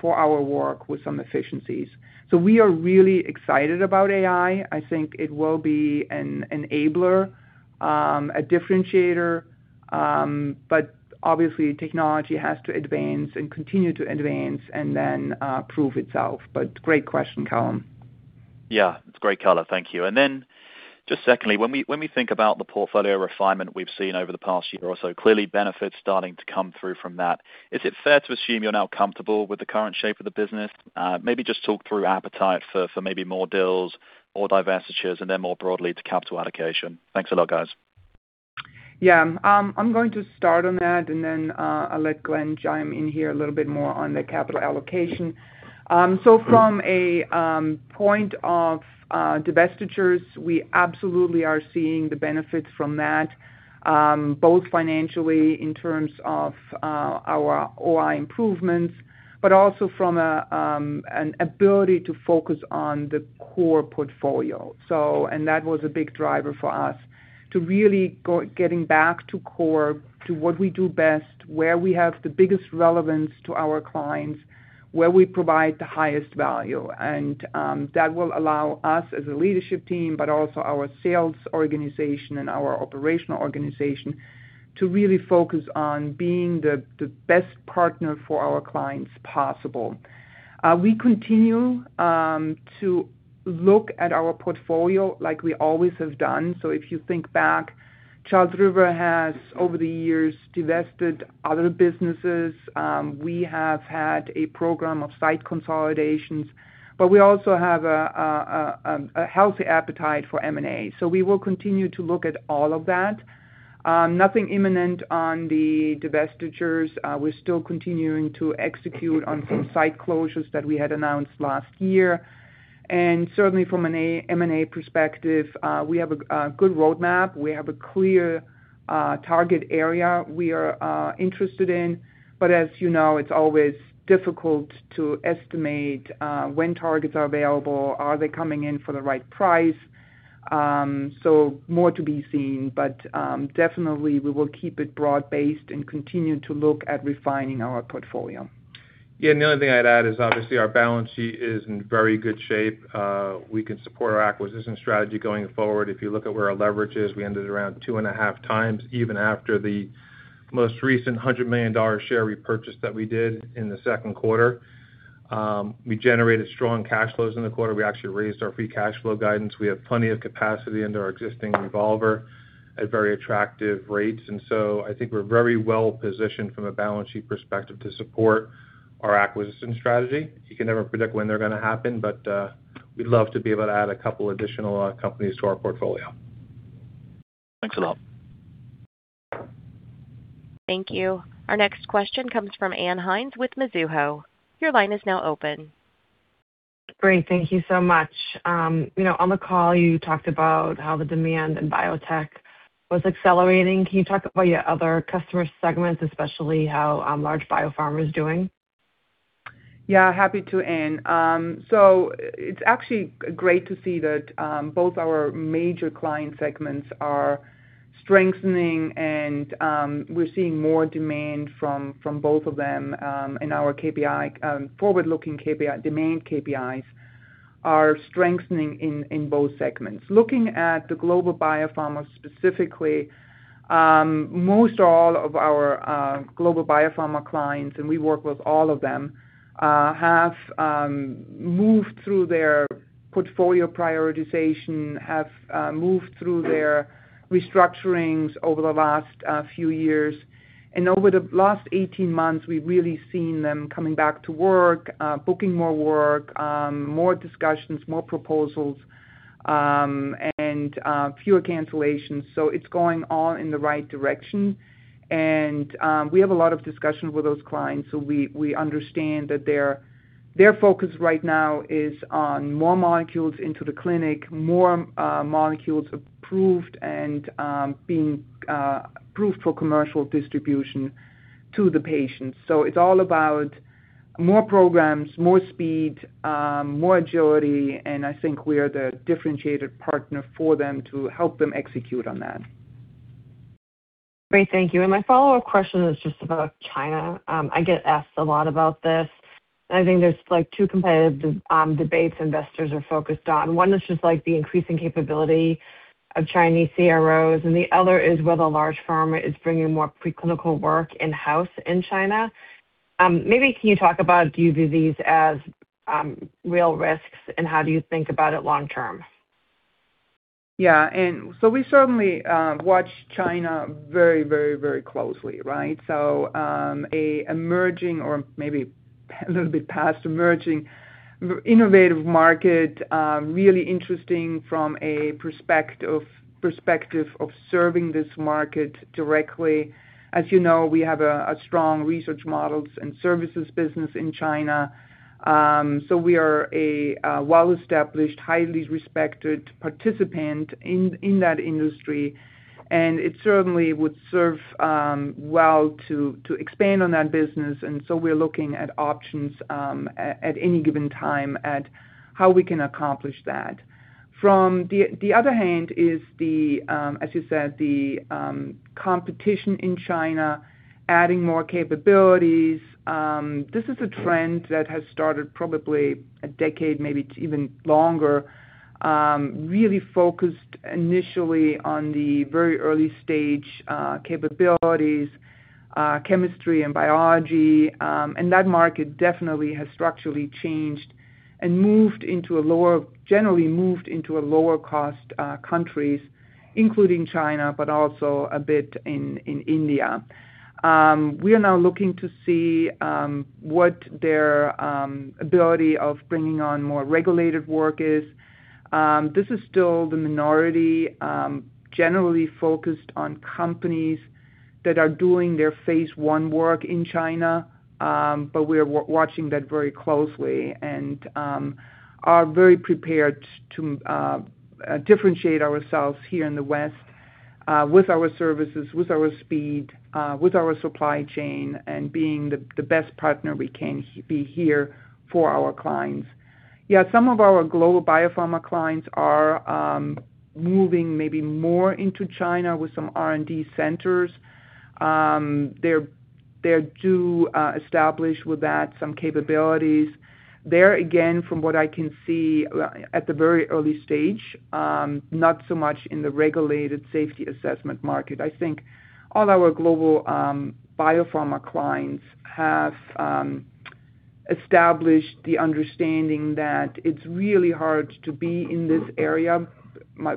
for our work with some efficiencies. We are really excited about AI. I think it will be an enabler, a differentiator, obviously technology has to advance and continue to advance and then prove itself. Great question, Kallum. Yeah. It's great color. Thank you. Just secondly, when we think about the portfolio refinement we've seen over the past year or so, clearly benefits starting to come through from that. Is it fair to assume you're now comfortable with the current shape of the business? Maybe just talk through appetite for maybe more deals or divestitures more broadly to capital allocation. Thanks a lot, guys. Yeah. I'm going to start on that and then I'll let Glenn chime in here a little bit more on the capital allocation. From a point of divestitures, we absolutely are seeing the benefits from that both financially in terms of our OI improvements, also from an ability to focus on the core portfolio. That was a big driver for us to really getting back to core, to what we do best, where we have the biggest relevance to our clients, where we provide the highest value. That will allow us as a leadership team, but also our sales organization and our operational organization to really focus on being the best partner for our clients possible. We continue to look at our portfolio like we always have done. If you think back, Charles River has, over the years, divested other businesses. We have had a program of site consolidations, we also have a healthy appetite for M&A. We will continue to look at all of that. Nothing imminent on the divestitures. We are still continuing to execute on some site closures that we had announced last year. Certainly from an M&A perspective, we have a good roadmap. We have a clear target area we are interested in, as you know, it is always difficult to estimate when targets are available, are they coming in for the right price? More to be seen, definitely we will keep it broad-based and continue to look at refining our portfolio. The only thing I would add is obviously our balance sheet is in very good shape. We can support our acquisition strategy going forward. If you look at where our leverage is, we ended around two and a half times, even after the most recent $100 million share repurchase that we did in the second quarter. We generated strong cash flows in the quarter. We actually raised our free cash flow guidance. We have plenty of capacity under our existing revolver at very attractive rates. I think we are very well-positioned from a balance sheet perspective to support our acquisition strategy. You can never predict when they are going to happen, we would love to be able to add a couple additional companies to our portfolio. Thanks a lot. Thank you. Our next question comes from Ann Hynes with Mizuho. Your line is now open. Great. Thank you so much. On the call, you talked about how the demand in biotech was accelerating. Can you talk about your other customer segments, especially how large biopharma is doing? Yeah, happy to, Ann. It's actually great to see that both our major client segments are strengthening and we're seeing more demand from both of them, and our forward-looking demand KPIs are strengthening in both segments. Looking at the global biopharma specifically, most all of our global biopharma clients, and we work with all of them, have moved through their portfolio prioritization, have moved through their restructurings over the last few years. Over the last 18 months, we've really seen them coming back to work, booking more work, more discussions, more proposals, and fewer cancellations. It's going all in the right direction. We have a lot of discussions with those clients, so we understand that their focus right now is on more molecules into the clinic, more molecules approved and being approved for commercial distribution to the patients. It's all about more programs, more speed, more agility, and I think we are the differentiated partner for them to help them execute on that. Great. Thank you. My follow-up question is just about China. I get asked a lot about this, and I think there's two competitive debates investors are focused on. One is just like the increasing capability of Chinese CROs, and the other is whether large pharma is bringing more preclinical work in-house in China. Maybe can you talk about, do you view these as real risks, and how do you think about it long term? Yeah. We certainly watch China very closely, right? A emerging or maybe a little bit past emerging innovative market, really interesting from a perspective of serving this market directly. As you know, we have a strong research models and services business in China. We are a well-established, highly respected participant in that industry, and it certainly would serve well to expand on that business. We're looking at options at any given time at how we can accomplish that. From the other hand is the, as you said, the competition in China, adding more capabilities. This is a trend that has started probably a decade, maybe even longer, really focused initially on the very early-stage capabilities, chemistry and biology, and that market definitely has structurally changed and generally moved into lower-cost countries, including China, but also a bit in India. We are now looking to see what their ability of bringing on more regulated work is. This is still the minority, generally focused on companies that are doing their phase I work in China, but we are watching that very closely and are very prepared to differentiate ourselves here in the West with our services, with our speed, with our supply chain, and being the best partner we can be here for our clients. Some of our global biopharma clients are moving maybe more into China with some R&D centers. They're due to establish with that some capabilities there, again, from what I can see, at the very early-stage, not so much in the regulated safety assessment market. I think all our global biopharma clients have established the understanding that it's really hard to be in this area,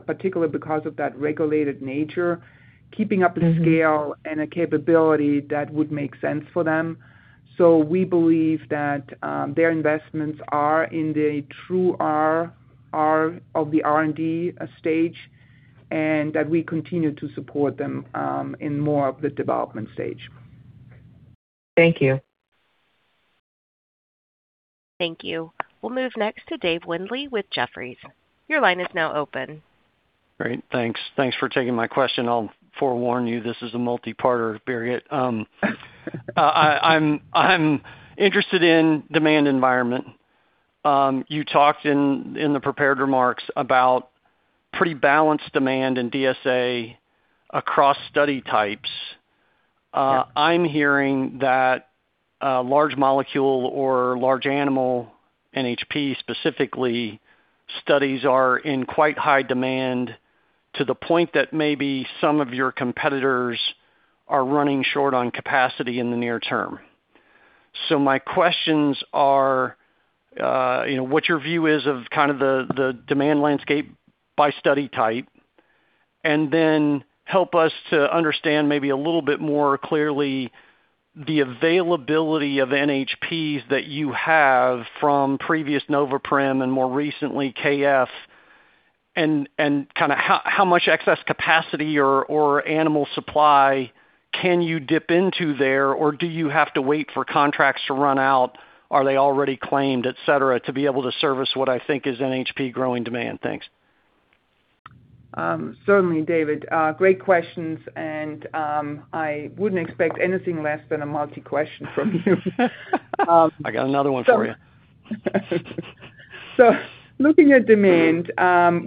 particularly because of that regulated nature, keeping up the scale and a capability that would make sense for them. We believe that their investments are in the true R of the R&D stage, and that we continue to support them in more of the development stage. Thank you. Thank you. We'll move next to Dave Windley with Jefferies. Your line is now open. Great. Thanks for taking my question. I'll forewarn you, this is a multi-parter, Birgit. I'm interested in demand environment. You talked in the prepared remarks about pretty balanced demand in DSA across study types. Yeah. I'm hearing that large molecule or large animal, NHP specifically, studies are in quite high demand to the point that maybe some of your competitors are running short on capacity in the near term. My questions are, what your view is of the demand landscape by study type, and then help us to understand maybe a little bit more clearly the availability of NHPs that you have from previous Noveprim and more recently, K.F., and how much excess capacity or animal supply can you dip into there, or do you have to wait for contracts to run out? Are they already claimed, et cetera, to be able to service what I think is NHP growing demand? Thanks. Certainly, David. Great questions. I wouldn't expect anything less than a multi question from you. I got another one for you. Looking at demand,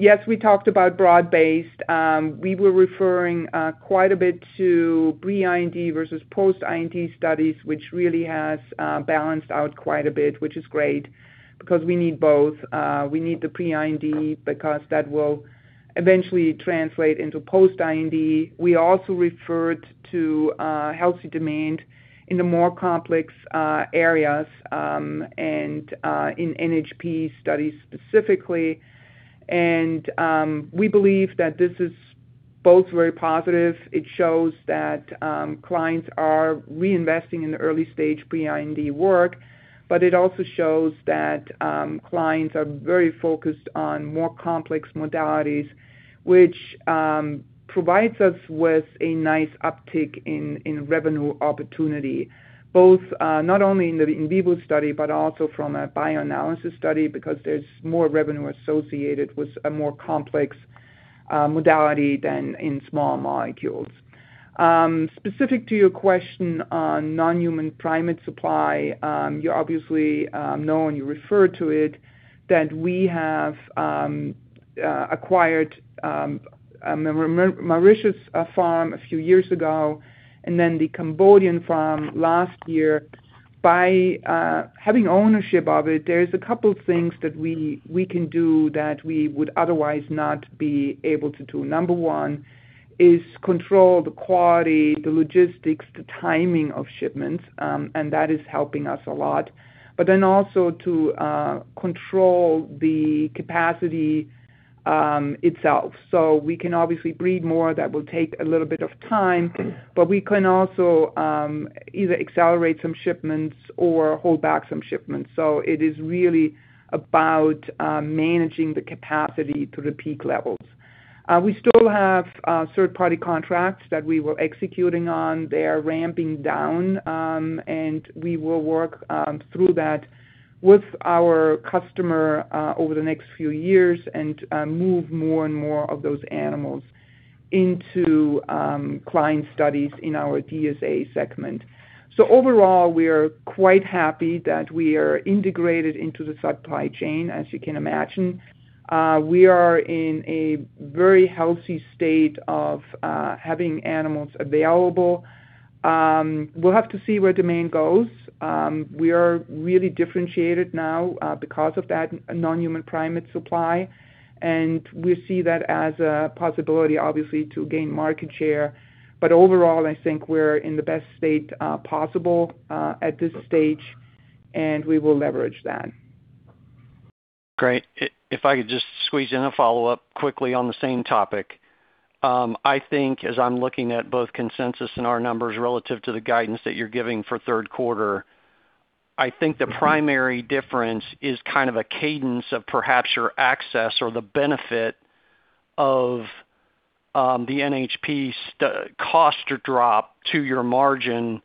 yes, we talked about broad-based. We were referring quite a bit to pre-IND versus post-IND studies, which really has balanced out quite a bit, which is great, because we need both. We need the pre-IND because that will eventually translate into post-IND. We also referred to healthy demand in the more complex areas, and in NHP studies specifically. We believe that this is both very positive. It shows that clients are reinvesting in the early-stage pre-IND work, but it also shows that clients are very focused on more complex modalities, which provides us with a nice uptick in revenue opportunity, both not only in the in vivo study, but also from a bioanalysis study, because there's more revenue associated with a more complex modality than in small molecules. Specific to your question on non-human primate supply, you obviously know and you refer to it, that we have acquired Mauritius farm a few years ago, and then the Cambodian farm last year. By having ownership of it, there's a couple things that we can do that we would otherwise not be able to do. Number one is control the quality, the logistics, the timing of shipments, and that is helping us a lot. Also to control the capacity itself. We can obviously breed more, that will take a little bit of time, but we can also either accelerate some shipments or hold back some shipments. It is really about managing the capacity to the peak levels. We still have third-party contracts that we were executing on. They are ramping down, and we will work through that with our customer over the next few years and move more and more of those animals into client studies in our DSA segment. Overall, we are quite happy that we are integrated into the supply chain, as you can imagine. We are in a very healthy state of having animals available. We'll have to see where demand goes. We are really differentiated now because of that non-human primate supply, and we see that as a possibility, obviously, to gain market share. Overall, I think we're in the best state possible at this stage, and we will leverage that. Great. If I could just squeeze in a follow-up quickly on the same topic. I think as I'm looking at both consensus and our numbers relative to the guidance that you're giving for third quarter, I think the primary difference is kind of a cadence of perhaps your access or the benefit of the NHP cost drop to your margin.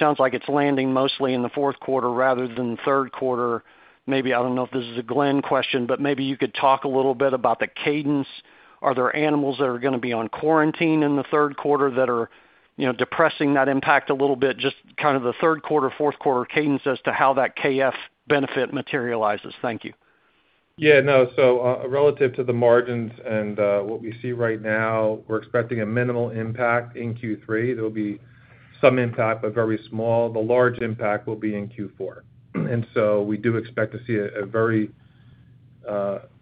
Sounds like it's landing mostly in the fourth quarter rather than the third quarter. Maybe, I don't know if this is a Glenn question, but maybe you could talk a little bit about the cadence. Are there animals that are going to be on quarantine in the third quarter that are depressing that impact a little bit? Just kind of the third quarter, fourth quarter cadence as to how that K.F. benefit materializes. Thank you. Yeah, no. Relative to the margins and what we see right now, we're expecting a minimal impact in Q3. There'll be some impact, but very small. The large impact will be in Q4. We do expect to see a very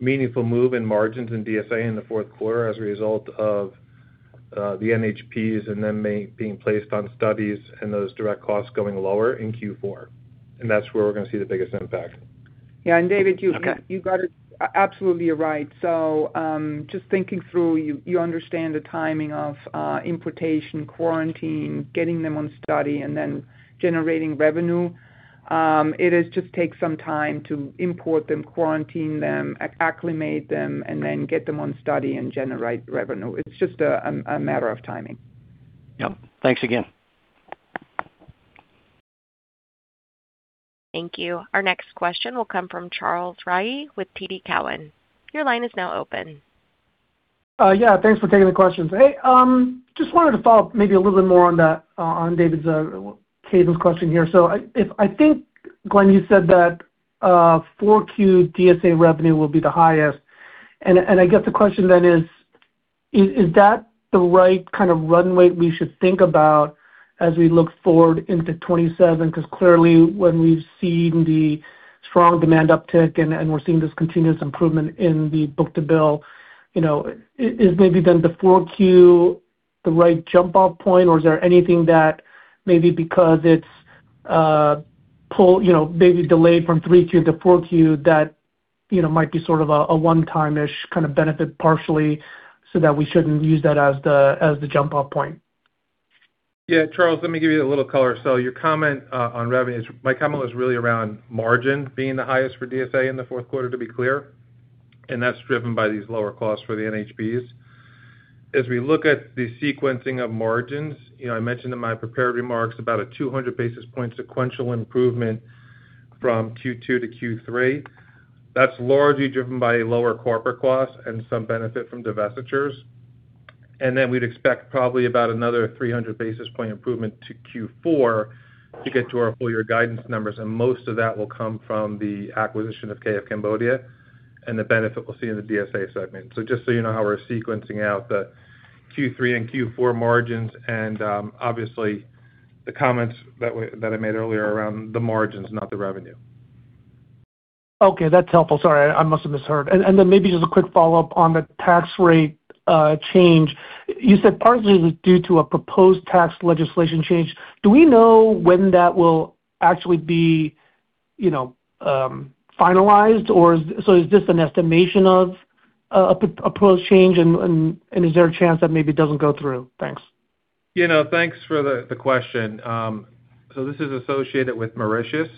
meaningful move in margins in DSA in the fourth quarter as a result of the NHPs and them being placed on studies and those direct costs going lower in Q4. That's where we're going to see the biggest impact. Yeah. David, you got it. Absolutely, you're right. Just thinking through, you understand the timing of importation, quarantine, getting them on study, and then generating revenue. It just takes some time to import them, quarantine them, acclimate them, and then get them on study and generate revenue. It's just a matter of timing. Yep. Thanks again. Thank you. Our next question will come from Charles Rhyee with TD Cowen. Your line is now open. Yeah. Thanks for taking the questions. Hey, just wanted to follow up maybe a little bit more on David Windley's cadence question here. I think, Glenn, you said that 4Q DSA revenue will be the highest, and I guess the question then is that the right kind of run rate we should think about as we look forward into 2027? Clearly when we've seen the strong demand uptick and we're seeing this continuous improvement in the book-to-bill, is maybe then the 4Q the right jump-off point, or is there anything that maybe because it's maybe delayed from 3Q to 4Q, that might be sort of a one-timish kind of benefit partially so that we shouldn't use that as the jump-off point? Yeah, Charles, let me give you a little color. Your comment on revenue, my comment was really around margin being the highest for DSA in the fourth quarter, to be clear, and that's driven by these lower costs for the NHPs. As we look at the sequencing of margins, I mentioned in my prepared remarks about a 200 basis point sequential improvement from Q2 to Q3. That's largely driven by lower corporate costs and some benefit from divestitures. Then we'd expect probably about another 300 basis point improvement to Q4 to get to our full-year guidance numbers, and most of that will come from the acquisition of K.F. Cambodia and the benefit we'll see in the DSA segment. Just so you know how we're sequencing out the Q3 and Q4 margins and, obviously, the comments that I made earlier around the margins, not the revenue. Okay. That's helpful. Sorry, I must have misheard. Then maybe just a quick follow-up on the tax rate change. You said partly it was due to a proposed tax legislation change. Do we know when that will actually be finalized? Is this an estimation of a proposed change, and is there a chance that maybe it doesn't go through? Thanks. Thanks for the question. This is associated with Mauritius,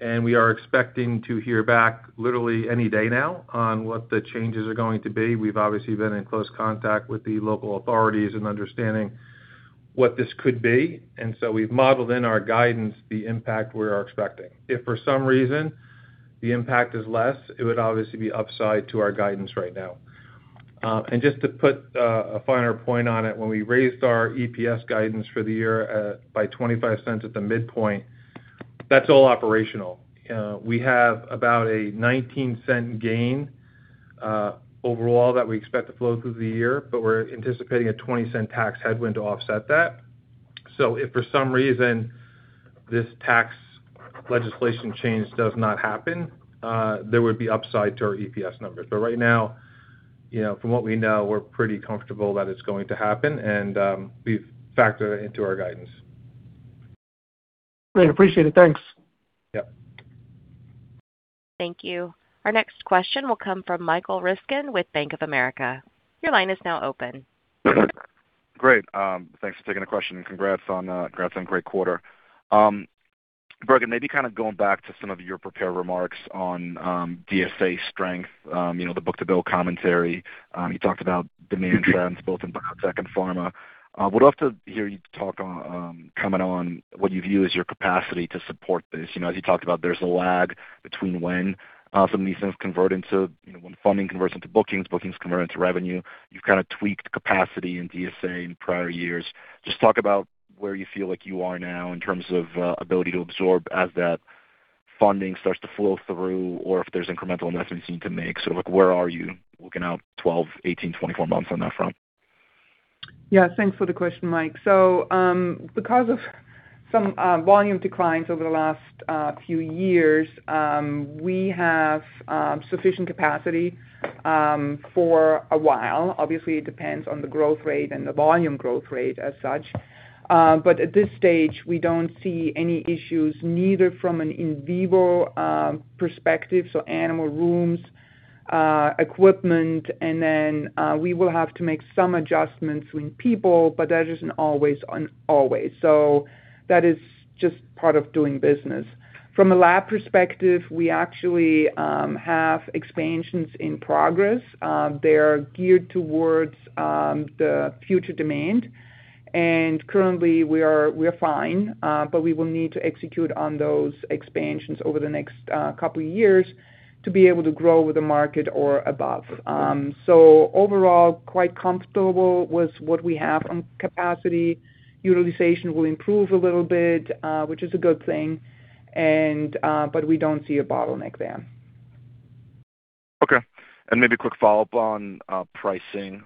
and we are expecting to hear back literally any day now on what the changes are going to be. We've obviously been in close contact with the local authorities in understanding what this could be, and so we've modeled in our guidance the impact we are expecting. If for some reason the impact is less, it would obviously be upside to our guidance right now. Just to put a finer point on it, when we raised our EPS guidance for the year by $0.25 at the midpoint, that's all operational. We have about a $0.19 gain overall that we expect to flow through the year, but we're anticipating a $0.20 tax headwind to offset that. If for some reason this tax legislation change does not happen, there would be upside to our EPS numbers. Right now, from what we know, we're pretty comfortable that it's going to happen, and we've factored it into our guidance. Great. Appreciate it. Thanks. Yep. Thank you. Our next question will come from Michael Ryskin with Bank of America. Your line is now open. Great. Thanks for taking the question and congrats on great quarter. Birgit, maybe kind of going back to some of your prepared remarks on DSA strength, the book-to-bill commentary. You talked about demand trends both in biotech and pharma. Would love to hear you comment on what you view as your capacity to support this. As you talked about, there's a lag between when some of these things convert into when funding converts into bookings convert into revenue. You've kind of tweaked capacity in DSA in prior years. Just talk about where you feel like you are now in terms of ability to absorb as that funding starts to flow through, or if there's incremental investments you need to make. Where are you looking out 12, 18, 24 months on that front? Yeah. Thanks for the question, Mike. Because of some volume declines over the last few years, we have sufficient capacity for a while. Obviously, it depends on the growth rate and the volume growth rate as such. At this stage, we don't see any issues, neither from an in vivo perspective, so animal rooms equipment, and then we will have to make some adjustments in people, but that isn't always. That is just part of doing business. From a lab perspective, we actually have expansions in progress. They're geared towards the future demand, and currently we're fine, but we will need to execute on those expansions over the next couple of years to be able to grow with the market or above. Overall, quite comfortable with what we have on capacity. Utilization will improve a little bit, which is a good thing, but we don't see a bottleneck there. Okay. Maybe a quick follow-up on pricing,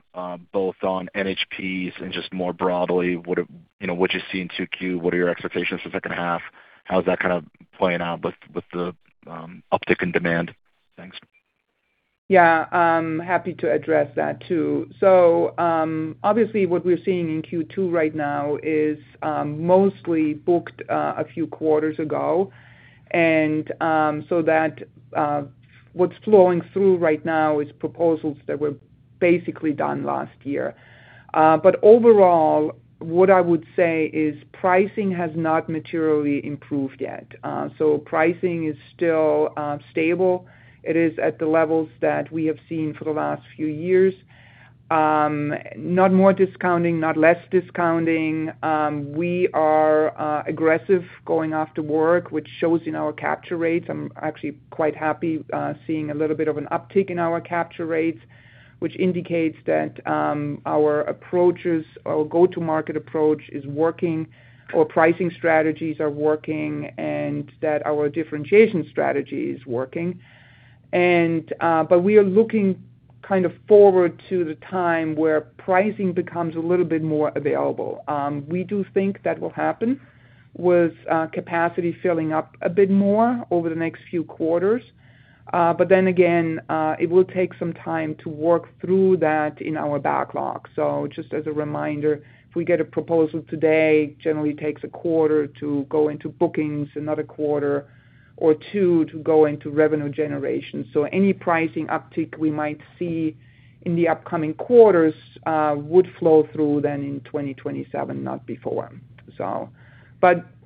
both on NHPs and just more broadly, what you see in 2Q, what are your expectations for the second half? How is that kind of playing out with the uptick in demand? Thanks. Yeah. Happy to address that too. Obviously what we're seeing in Q2 right now is mostly booked a few quarters ago. What's flowing through right now is proposals that were basically done last year. Overall, what I would say is pricing has not materially improved yet. Pricing is still stable. It is at the levels that we have seen for the last few years. Not more discounting, not less discounting. We are aggressive going after work, which shows in our capture rates. I'm actually quite happy seeing a little bit of an uptick in our capture rates, which indicates that our go-to-market approach is working or pricing strategies are working, and that our differentiation strategy is working. We are looking forward to the time where pricing becomes a little bit more available. We do think that will happen with capacity filling up a bit more over the next few quarters. Then again, it will take some time to work through that in our backlog. Just as a reminder, if we get a proposal today, generally takes a quarter to go into bookings, another quarter or two to go into revenue generation. Any pricing uptick we might see in the upcoming quarters, would flow through then in 2027, not before.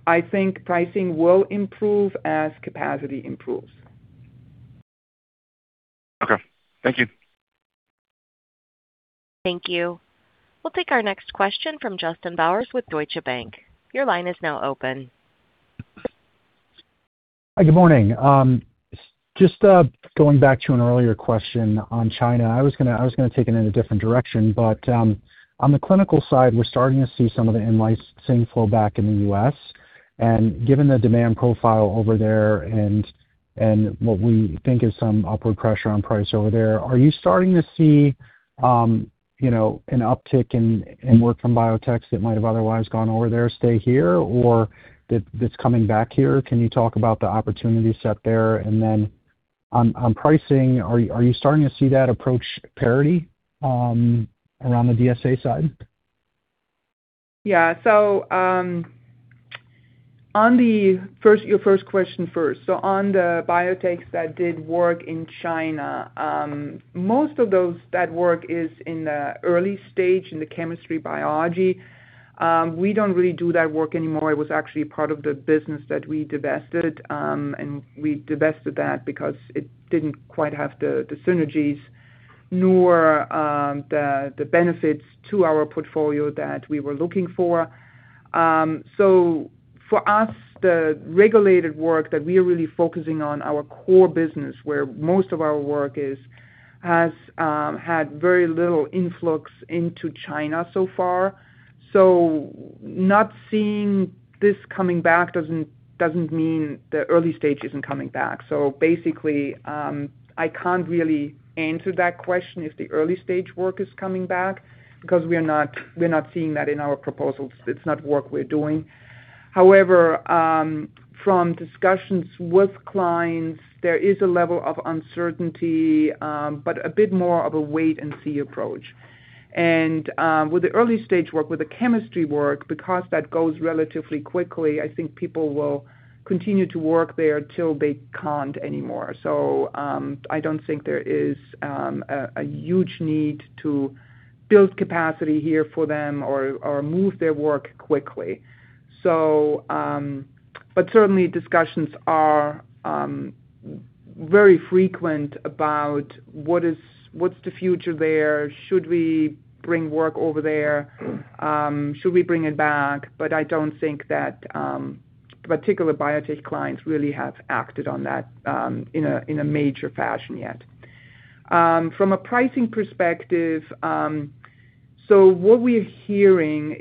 I think pricing will improve as capacity improves. Okay. Thank you. Thank you. We'll take our next question from Justin Bowers with Deutsche Bank. Your line is now open. Hi, good morning. Just going back to an earlier question on China. I was going to take it in a different direction. On the clinical side, we're starting to see some of the in-licensing flow back in the U.S., and given the demand profile over there and what we think is some upward pressure on price over there, are you starting to see an uptick in work from biotechs that might have otherwise gone over there, stay here, or that's coming back here? Can you talk about the opportunity set there? On pricing, are you starting to see that approach parity, around the DSA side? Yeah. On your first question first. On the biotechs that did work in China, most of those that work is in the early stage in the chemistry biology. We don't really do that work anymore. It was actually part of the business that we divested, and we divested that because it didn't quite have the synergies nor the benefits to our portfolio that we were looking for. For us, the regulated work that we are really focusing on, our core business where most of our work is, has had very little influx into China so far. Not seeing this coming back doesn't mean the early stage isn't coming back. Basically, I can't really answer that question if the early stage work is coming back because we're not seeing that in our proposals. It's not work we're doing. However, from discussions with clients, there is a level of uncertainty, but a bit more of a wait and see approach. With the early stage work, with the chemistry work, because that goes relatively quickly, I think people will continue to work there till they can't anymore. I don't think there is a huge need to build capacity here for them or move their work quickly. Certainly discussions are very frequent about what's the future there, should we bring work over there? Should we bring it back? I don't think that particular biotech clients really have acted on that in a major fashion yet. From a pricing perspective, what we're hearing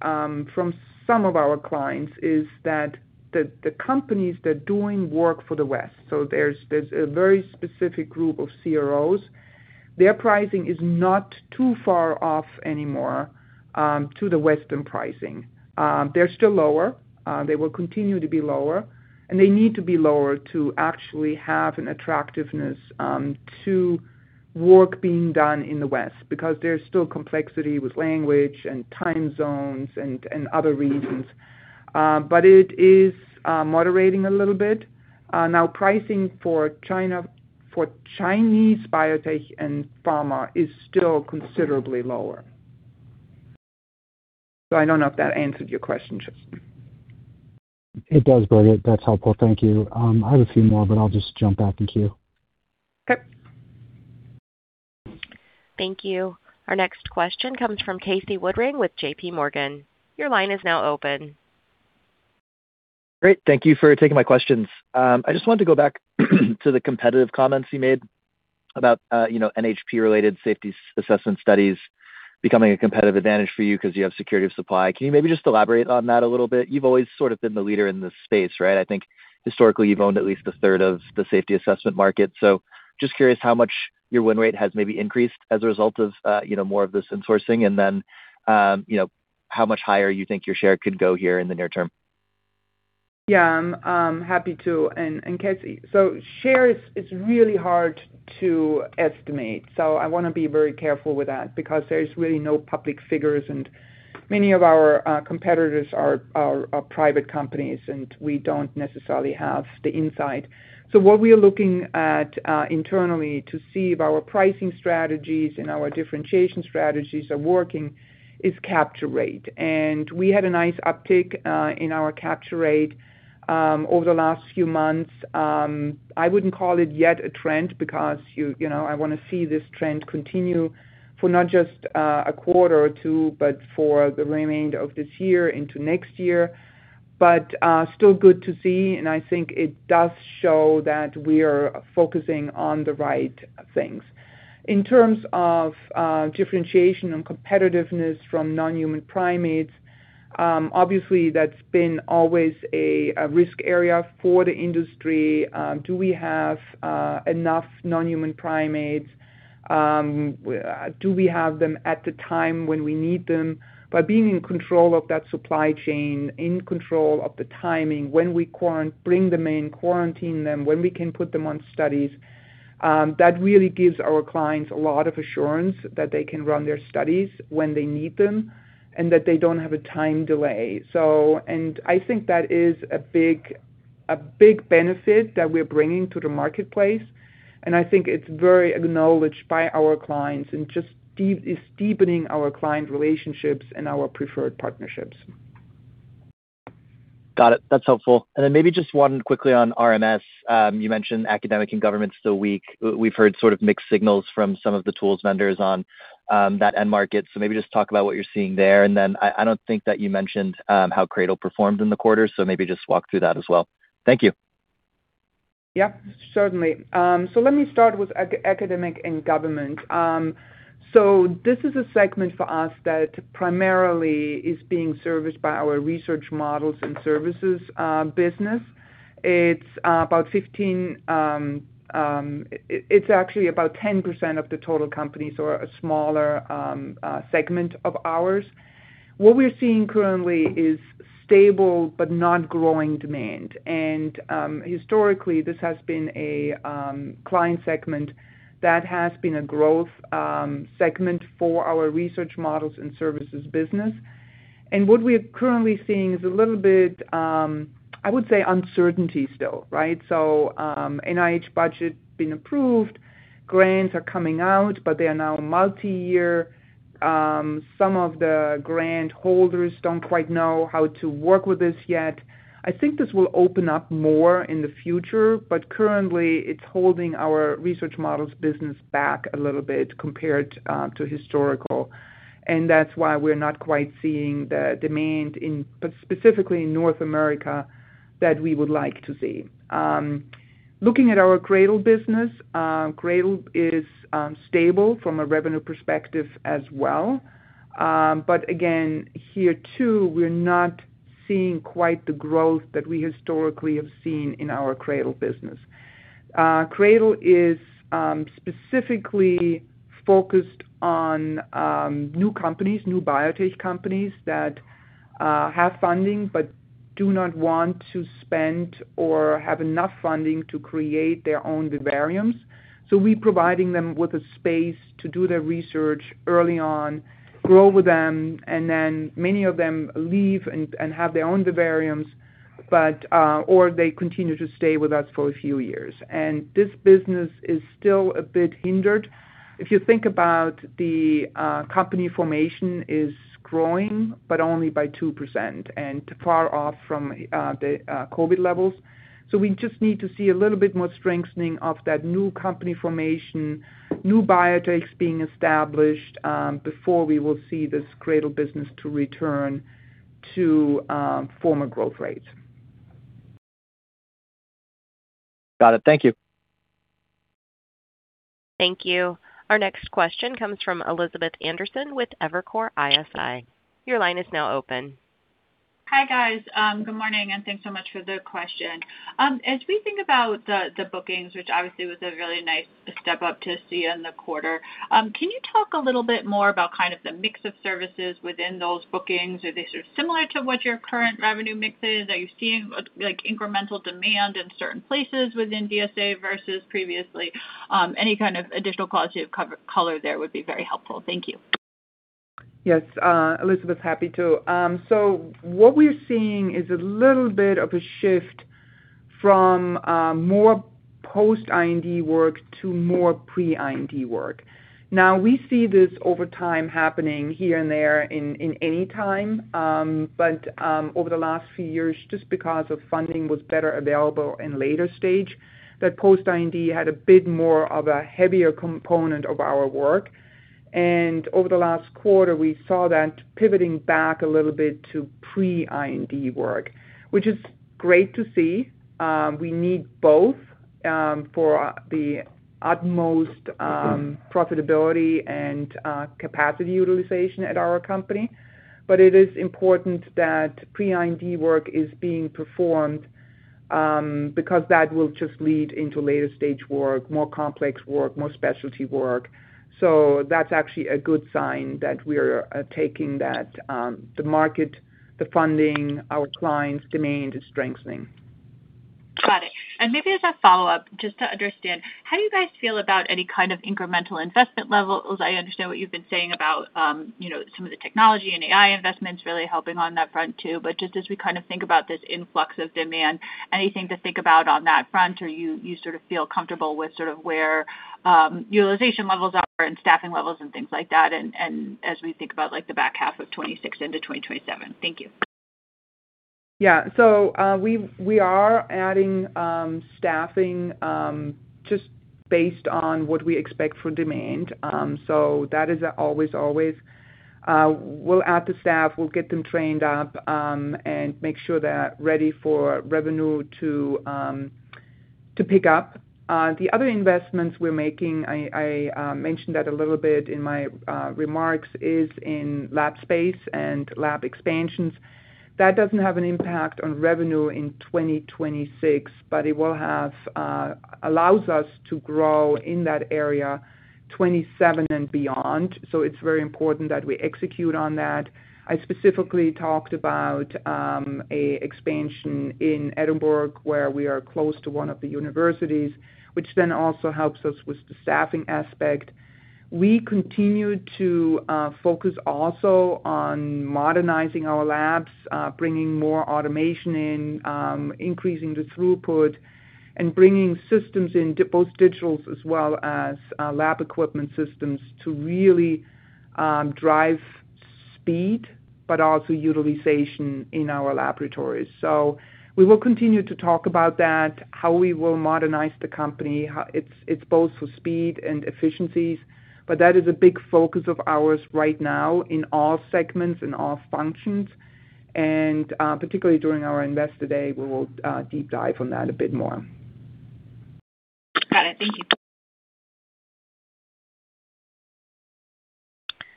from some of our clients is that the companies that are doing work for the West, there's a very specific group of CROs, their pricing is not too far off anymore, to the Western pricing. They're still lower. They will continue to be lower, and they need to be lower to actually have an attractiveness to Work being done in the West, because there's still complexity with language and time zones and other reasons. It is moderating a little bit. Now, pricing for Chinese biotech and pharma is still considerably lower. I don't know if that answered your question, Justin. It does. Brilliant. That's helpful. Thank you. I have a few more. I'll just jump back in queue. Okay. Thank you. Our next question comes from Casey Woodring with JPMorgan. Your line is now open. Great. Thank you for taking my questions. I just wanted to go back to the competitive comments you made about NHP-related safety assessment studies becoming a competitive advantage for you because you have security of supply. Can you maybe just elaborate on that a little bit? You've always sort of been the leader in this space, right? I think historically, you've owned at least a 1/3of the safety assessment market. Just curious how much your win rate has maybe increased as a result of more of this insourcing. Then how much higher you think your share could go here in the near term? I'm happy to. Casey, share is really hard to estimate. I want to be very careful with that because there is really no public figures and many of our competitors are private companies, and we don't necessarily have the insight. What we are looking at internally to see if our pricing strategies and our differentiation strategies are working is capture rate. We had a nice uptick in our capture rate over the last few months. I wouldn't call it yet a trend because I want to see this trend continue for not just a quarter or two, but for the remainder of this year into next year. Still good to see, and I think it does show that we are focusing on the right things. In terms of differentiation and competitiveness from non-human primates, obviously that's been always a risk area for the industry. Do we have enough non-human primates? Do we have them at the time when we need them? By being in control of that supply chain, in control of the timing, when we bring them in, quarantine them, when we can put them on studies, that really gives our clients a lot of assurance that they can run their studies when they need them and that they don't have a time delay. I think that is a big benefit that we're bringing to the marketplace, and I think it's very acknowledged by our clients and just is deepening our client relationships and our preferred partnerships. Got it. That's helpful. Then maybe just one quickly on RMS. You mentioned academic and government's still weak. We've heard sort of mixed signals from some of the tools vendors on that end market. Maybe just talk about what you're seeing there. Then I don't think that you mentioned how CRADL performed in the quarter, so maybe just walk through that as well. Thank you. Yeah, certainly. Let me start with academic and government. This is a segment for us that primarily is being serviced by our research models and services business. It's actually about 10% of the total company, so a smaller segment of ours. What we're seeing currently is stable but not growing demand. Historically, this has been a client segment that has been a growth segment for our research models and services business. What we are currently seeing is a little bit, I would say, uncertainty still, right? NIH budget's been approved. Grants are coming out, but they are now multi-year. Some of the grant holders don't quite know how to work with this yet. I think this will open up more in the future, currently it's holding our research models business back a little bit compared to historical, and that's why we're not quite seeing the demand, specifically in North America, that we would like to see. Looking at our CRADL business, CRADL is stable from a revenue perspective as well. Again, here too, we're not seeing quite the growth that we historically have seen in our CRADL business. CRADL is specifically focused on new companies, new biotech companies that have funding but do not want to spend or have enough funding to create their own vivariums. We're providing them with a space to do their research early on, grow with them, then many of them leave and have their own vivariums, or they continue to stay with us for a few years. This business is still a bit hindered. If you think about the company formation is growing, but only by 2% and far off from the COVID levels. We just need to see a little bit more strengthening of that new company formation, new biotechs being established, before we will see this CRADL business to return to former growth rates. Got it. Thank you. Thank you. Our next question comes from Elizabeth Anderson with Evercore ISI. Your line is now open. Hi, guys. Good morning, and thanks so much for the question. We think about the bookings, which obviously was a really nice step-up to see in the quarter, can you talk a little bit more about kind of the mix of services within those bookings? Are they sort of similar to what your current revenue mix is? Are you seeing incremental demand in certain places within DSA versus previously? Any kind of additional qualitative color there would be very helpful. Thank you. Yes, Elizabeth, happy to. What we're seeing is a little bit of a shift from more post-IND work to more pre-IND work. We see this over time happening here and there in any time. Over the last few years, just because of funding was better available in later stage, that post-IND had a bit more of a heavier component of our work. Over the last quarter, we saw that pivoting back a little bit to pre-IND work, which is great to see. We need both for the utmost profitability and capacity utilization at our company. It is important that pre-IND work is being performed, because that will just lead into later stage work, more complex work, more specialty work. That's actually a good sign that we're taking that. The market, the funding, our clients' demand is strengthening. Got it. Maybe as a follow-up, just to understand, how do you guys feel about any kind of incremental investment levels? I understand what you've been saying about some of the technology and AI investments really helping on that front, too. Just as we think about this influx of demand, anything to think about on that front, or you sort of feel comfortable with sort of where utilization levels are and staffing levels and things like that as we think about the back half of 2026 into 2027? Thank you. Yeah. We are adding staffing just based on what we expect for demand. That is always. We'll add the staff, we'll get them trained up, and make sure they're ready for revenue to pick up. The other investments we're making, I mentioned that a little bit in my remarks, is in lab space and lab expansions. That doesn't have an impact on revenue in 2026, but it allows us to grow in that area 2027 and beyond. It's very important that we execute on that. I specifically talked about an expansion in Edinburgh, where we are close to one of the universities, which then also helps us with the staffing aspect. We continue to focus also on modernizing our labs, bringing more automation in, increasing the throughput, and bringing systems in, both digitals as well as lab equipment systems to really drive speed, but also utilization in our laboratories. We will continue to talk about that, how we will modernize the company. It's both for speed and efficiencies, but that is a big focus of ours right now in all segments and all functions. Particularly during our Investor Day, we will deep dive on that a bit more. Got it. Thank you.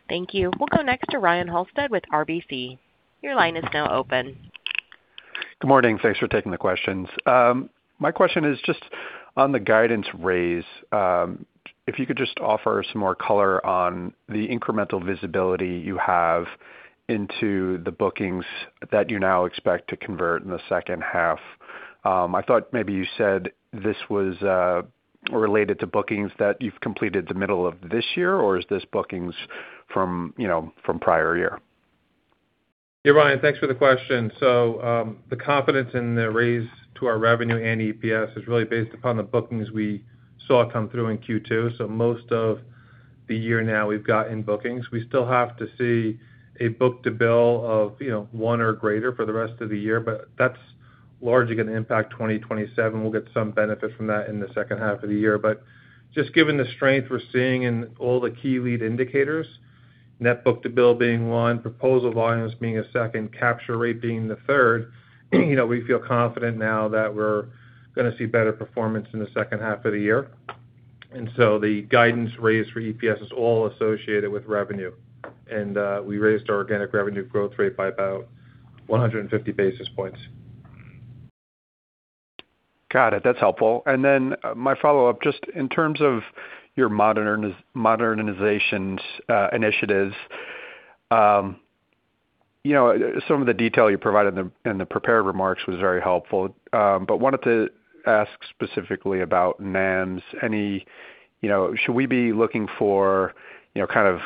Thank you. We'll go next to Ryan Halsted with RBC. Your line is now open. Good morning. Thanks for taking the questions. My question is just on the guidance raise. If you could just offer some more color on the incremental visibility you have into the bookings that you now expect to convert in the second half. I thought maybe you said this was related to bookings that you've completed the middle of this year, or is this bookings from prior year? Yeah, Ryan, thanks for the question. The confidence in the raise to our revenue and EPS is really based upon the bookings we saw come through in Q2. Most of the year now we've gotten bookings. We still have to see a book-to-bill of one or greater for the rest of the year, but that's largely going to impact 2027. We'll get some benefit from that in the second half of the year. Just given the strength we're seeing in all the key lead indicators, net book-to-bill being one, proposal volumes being a second, capture rate being the third, we feel confident now that we're going to see better performance in the second half of the year. The guidance raise for EPS is all associated with revenue. We raised our organic revenue growth rate by about 150 basis points. Got it. That's helpful. My follow-up, just in terms of your modernization initiatives, some of the detail you provided in the prepared remarks was very helpful. Wanted to ask specifically about NAMs. Should we be looking for kind of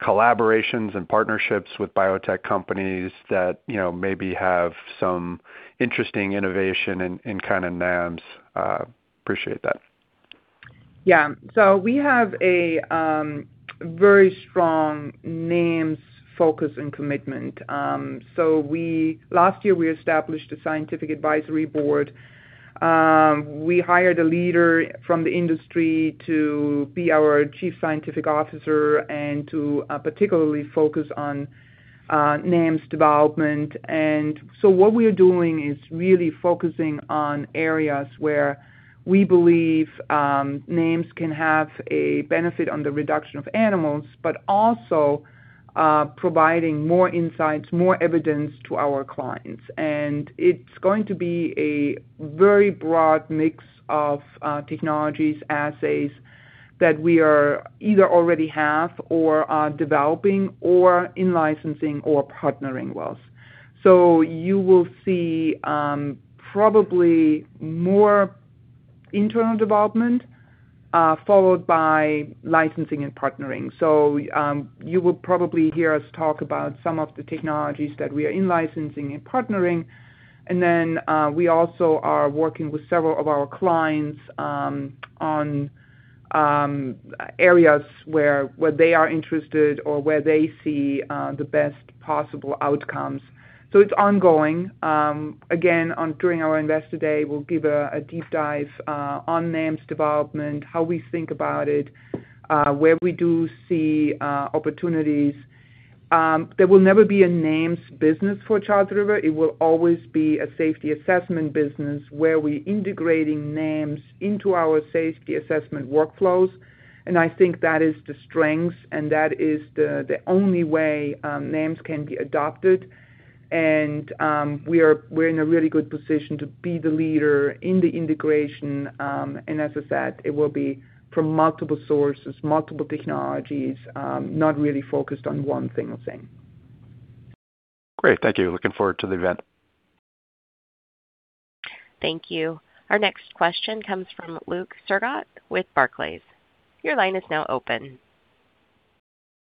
collaborations and partnerships with biotech companies that maybe have some interesting innovation in kind of NAMs? Appreciate that. Yeah. We have a very strong NAMs focus and commitment. Last year, we established a scientific advisory board. We hired a leader from the industry to be our chief scientific officer and to particularly focus on NAMs development. What we are doing is really focusing on areas where we believe NAMs can have a benefit on the reduction of animals, but also providing more insights, more evidence to our clients. It's going to be a very broad mix of technologies, assays that we either already have or are developing or in licensing or partnering with. You will see probably more internal development, followed by licensing and partnering. You will probably hear us talk about some of the technologies that we are in licensing and partnering. We also are working with several of our clients on areas where they are interested or where they see the best possible outcomes. It's ongoing. Again, during our Investor Day, we'll give a deep dive on NAMs development, how we think about it, where we do see opportunities. There will never be a NAMs business for Charles River. It will always be a safety assessment business where we're integrating NAMs into our safety assessment workflows, and I think that is the strength, and that is the only way NAMs can be adopted. We're in a really good position to be the leader in the integration. As I said, it will be from multiple sources, multiple technologies, not really focused on one thing the same. Great. Thank you. Looking forward to the event. Thank you. Our next question comes from Luke Sergott with Barclays. Your line is now open.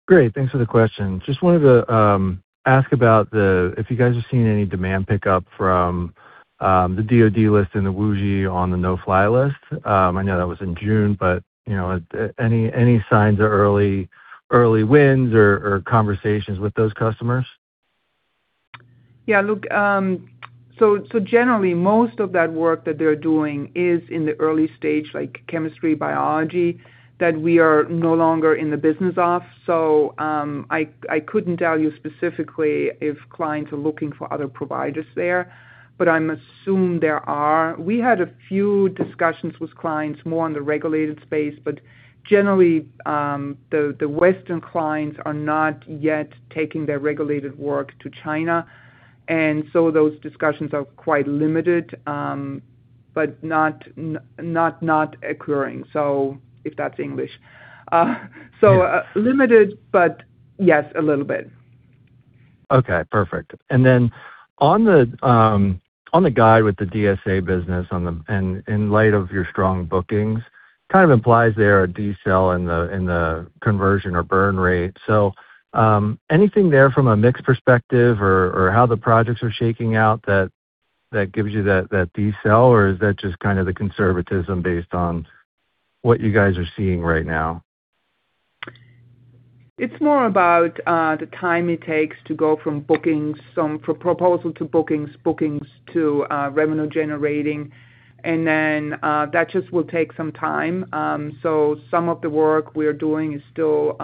Great. Thanks for the question. Just wanted to ask about if you guys have seen any demand pickup from the DoD list and the WuXi on the no-fly list. I know that was in June, but any signs or early wins or conversations with those customers? Yeah, Luke. Generally, most of that work that they're doing is in the early stage, like chemistry, biology, that we are no longer in the business of. I couldn't tell you specifically if clients are looking for other providers there, but I assume there are. We had a few discussions with clients, more on the regulated space. Generally, the Western clients are not yet taking their regulated work to China. Those discussions are quite limited, but not occurring. If that's English. Yeah limited, but yes, a little bit. Okay, perfect. On the guide with the DSA business, in light of your strong bookings, kind of implies there a decel in the conversion or burn rate. Anything there from a mix perspective or how the projects are shaking out that gives you that decel? Or is that just kind of the conservatism based on what you guys are seeing right now? It's more about the time it takes to go from proposal to bookings to revenue generating. That just will take some time. Some of the work we're doing is still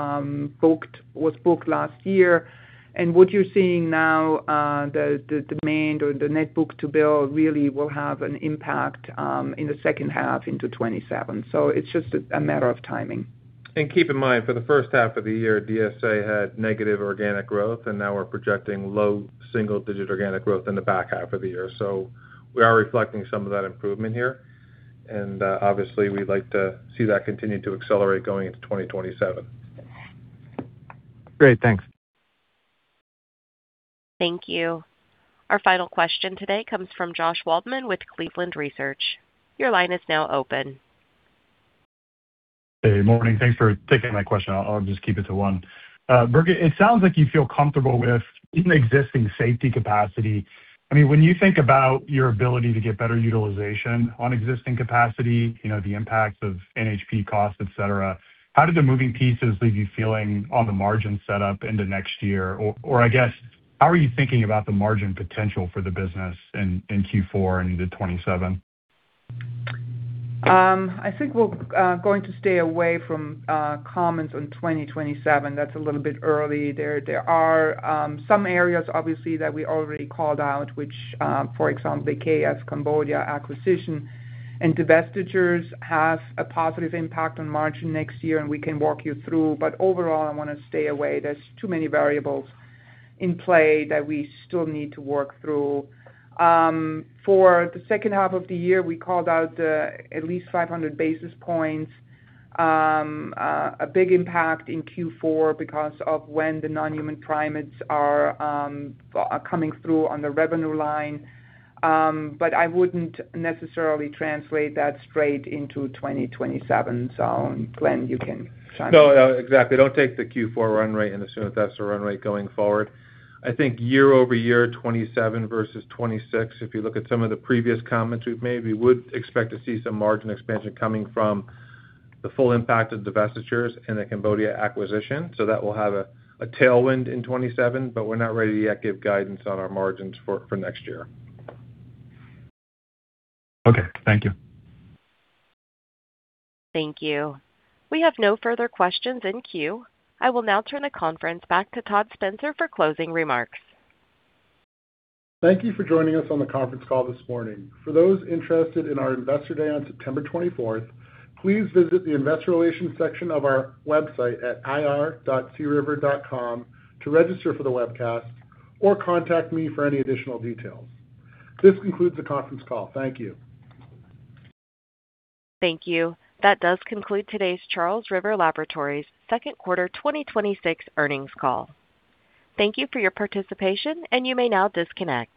was booked last year. What you're seeing now, the demand or the net book-to-bill really will have an impact in the second half into 2027. It's just a matter of timing. Keep in mind, for the first half of the year, DSA had negative organic growth, and now we're projecting low single-digit organic growth in the back half of the year. We are reflecting some of that improvement here. Obviously, we'd like to see that continue to accelerate going into 2027. Great. Thanks. Thank you. Our final question today comes from Josh Waldman with Cleveland Research. Your line is now open. Hey, morning. Thanks for taking my question. I'll just keep it to one. Birgit, it sounds like you feel comfortable with even existing safety capacity. When you think about your ability to get better utilization on existing capacity, the impacts of NHP costs, et cetera, how do the moving pieces leave you feeling on the margin setup into next year? Or, I guess, how are you thinking about the margin potential for the business in Q4 into 2027? I think we're going to stay away from comments on 2027. That's a little bit early. There are some areas, obviously, that we already called out, which for example, the K.F. Cambodia acquisition and divestitures have a positive impact on margin next year, and we can walk you through. Overall, I want to stay away. There's too many variables in play that we still need to work through. For the second half of the year, we called out at least 500 basis points, a big impact in Q4 because of when the non-human primates are coming through on the revenue line. I wouldn't necessarily translate that straight into 2027. Glenn, you can chime in. No, exactly. Don't take the Q4 run rate and assume that that's the run rate going forward. I think year-over-year, 2027 versus 2026, if you look at some of the previous comments we've made, we would expect to see some margin expansion coming from the full impact of divestitures and the Cambodia acquisition. That will have a tailwind in 2027, we're not ready yet to give guidance on our margins for next year. Okay. Thank you. Thank you. We have no further questions in queue. I will now turn the conference back to Todd Spencer for closing remarks. Thank you for joining us on the conference call this morning. For those interested in our Investor Day on September 24th, please visit the investor relations section of our website at ir.criver.com to register for the webcast or contact me for any additional details. This concludes the conference call. Thank you. Thank you. That does conclude today's Charles River Laboratories second quarter 2026 earnings call. Thank you for your participation, and you may now disconnect.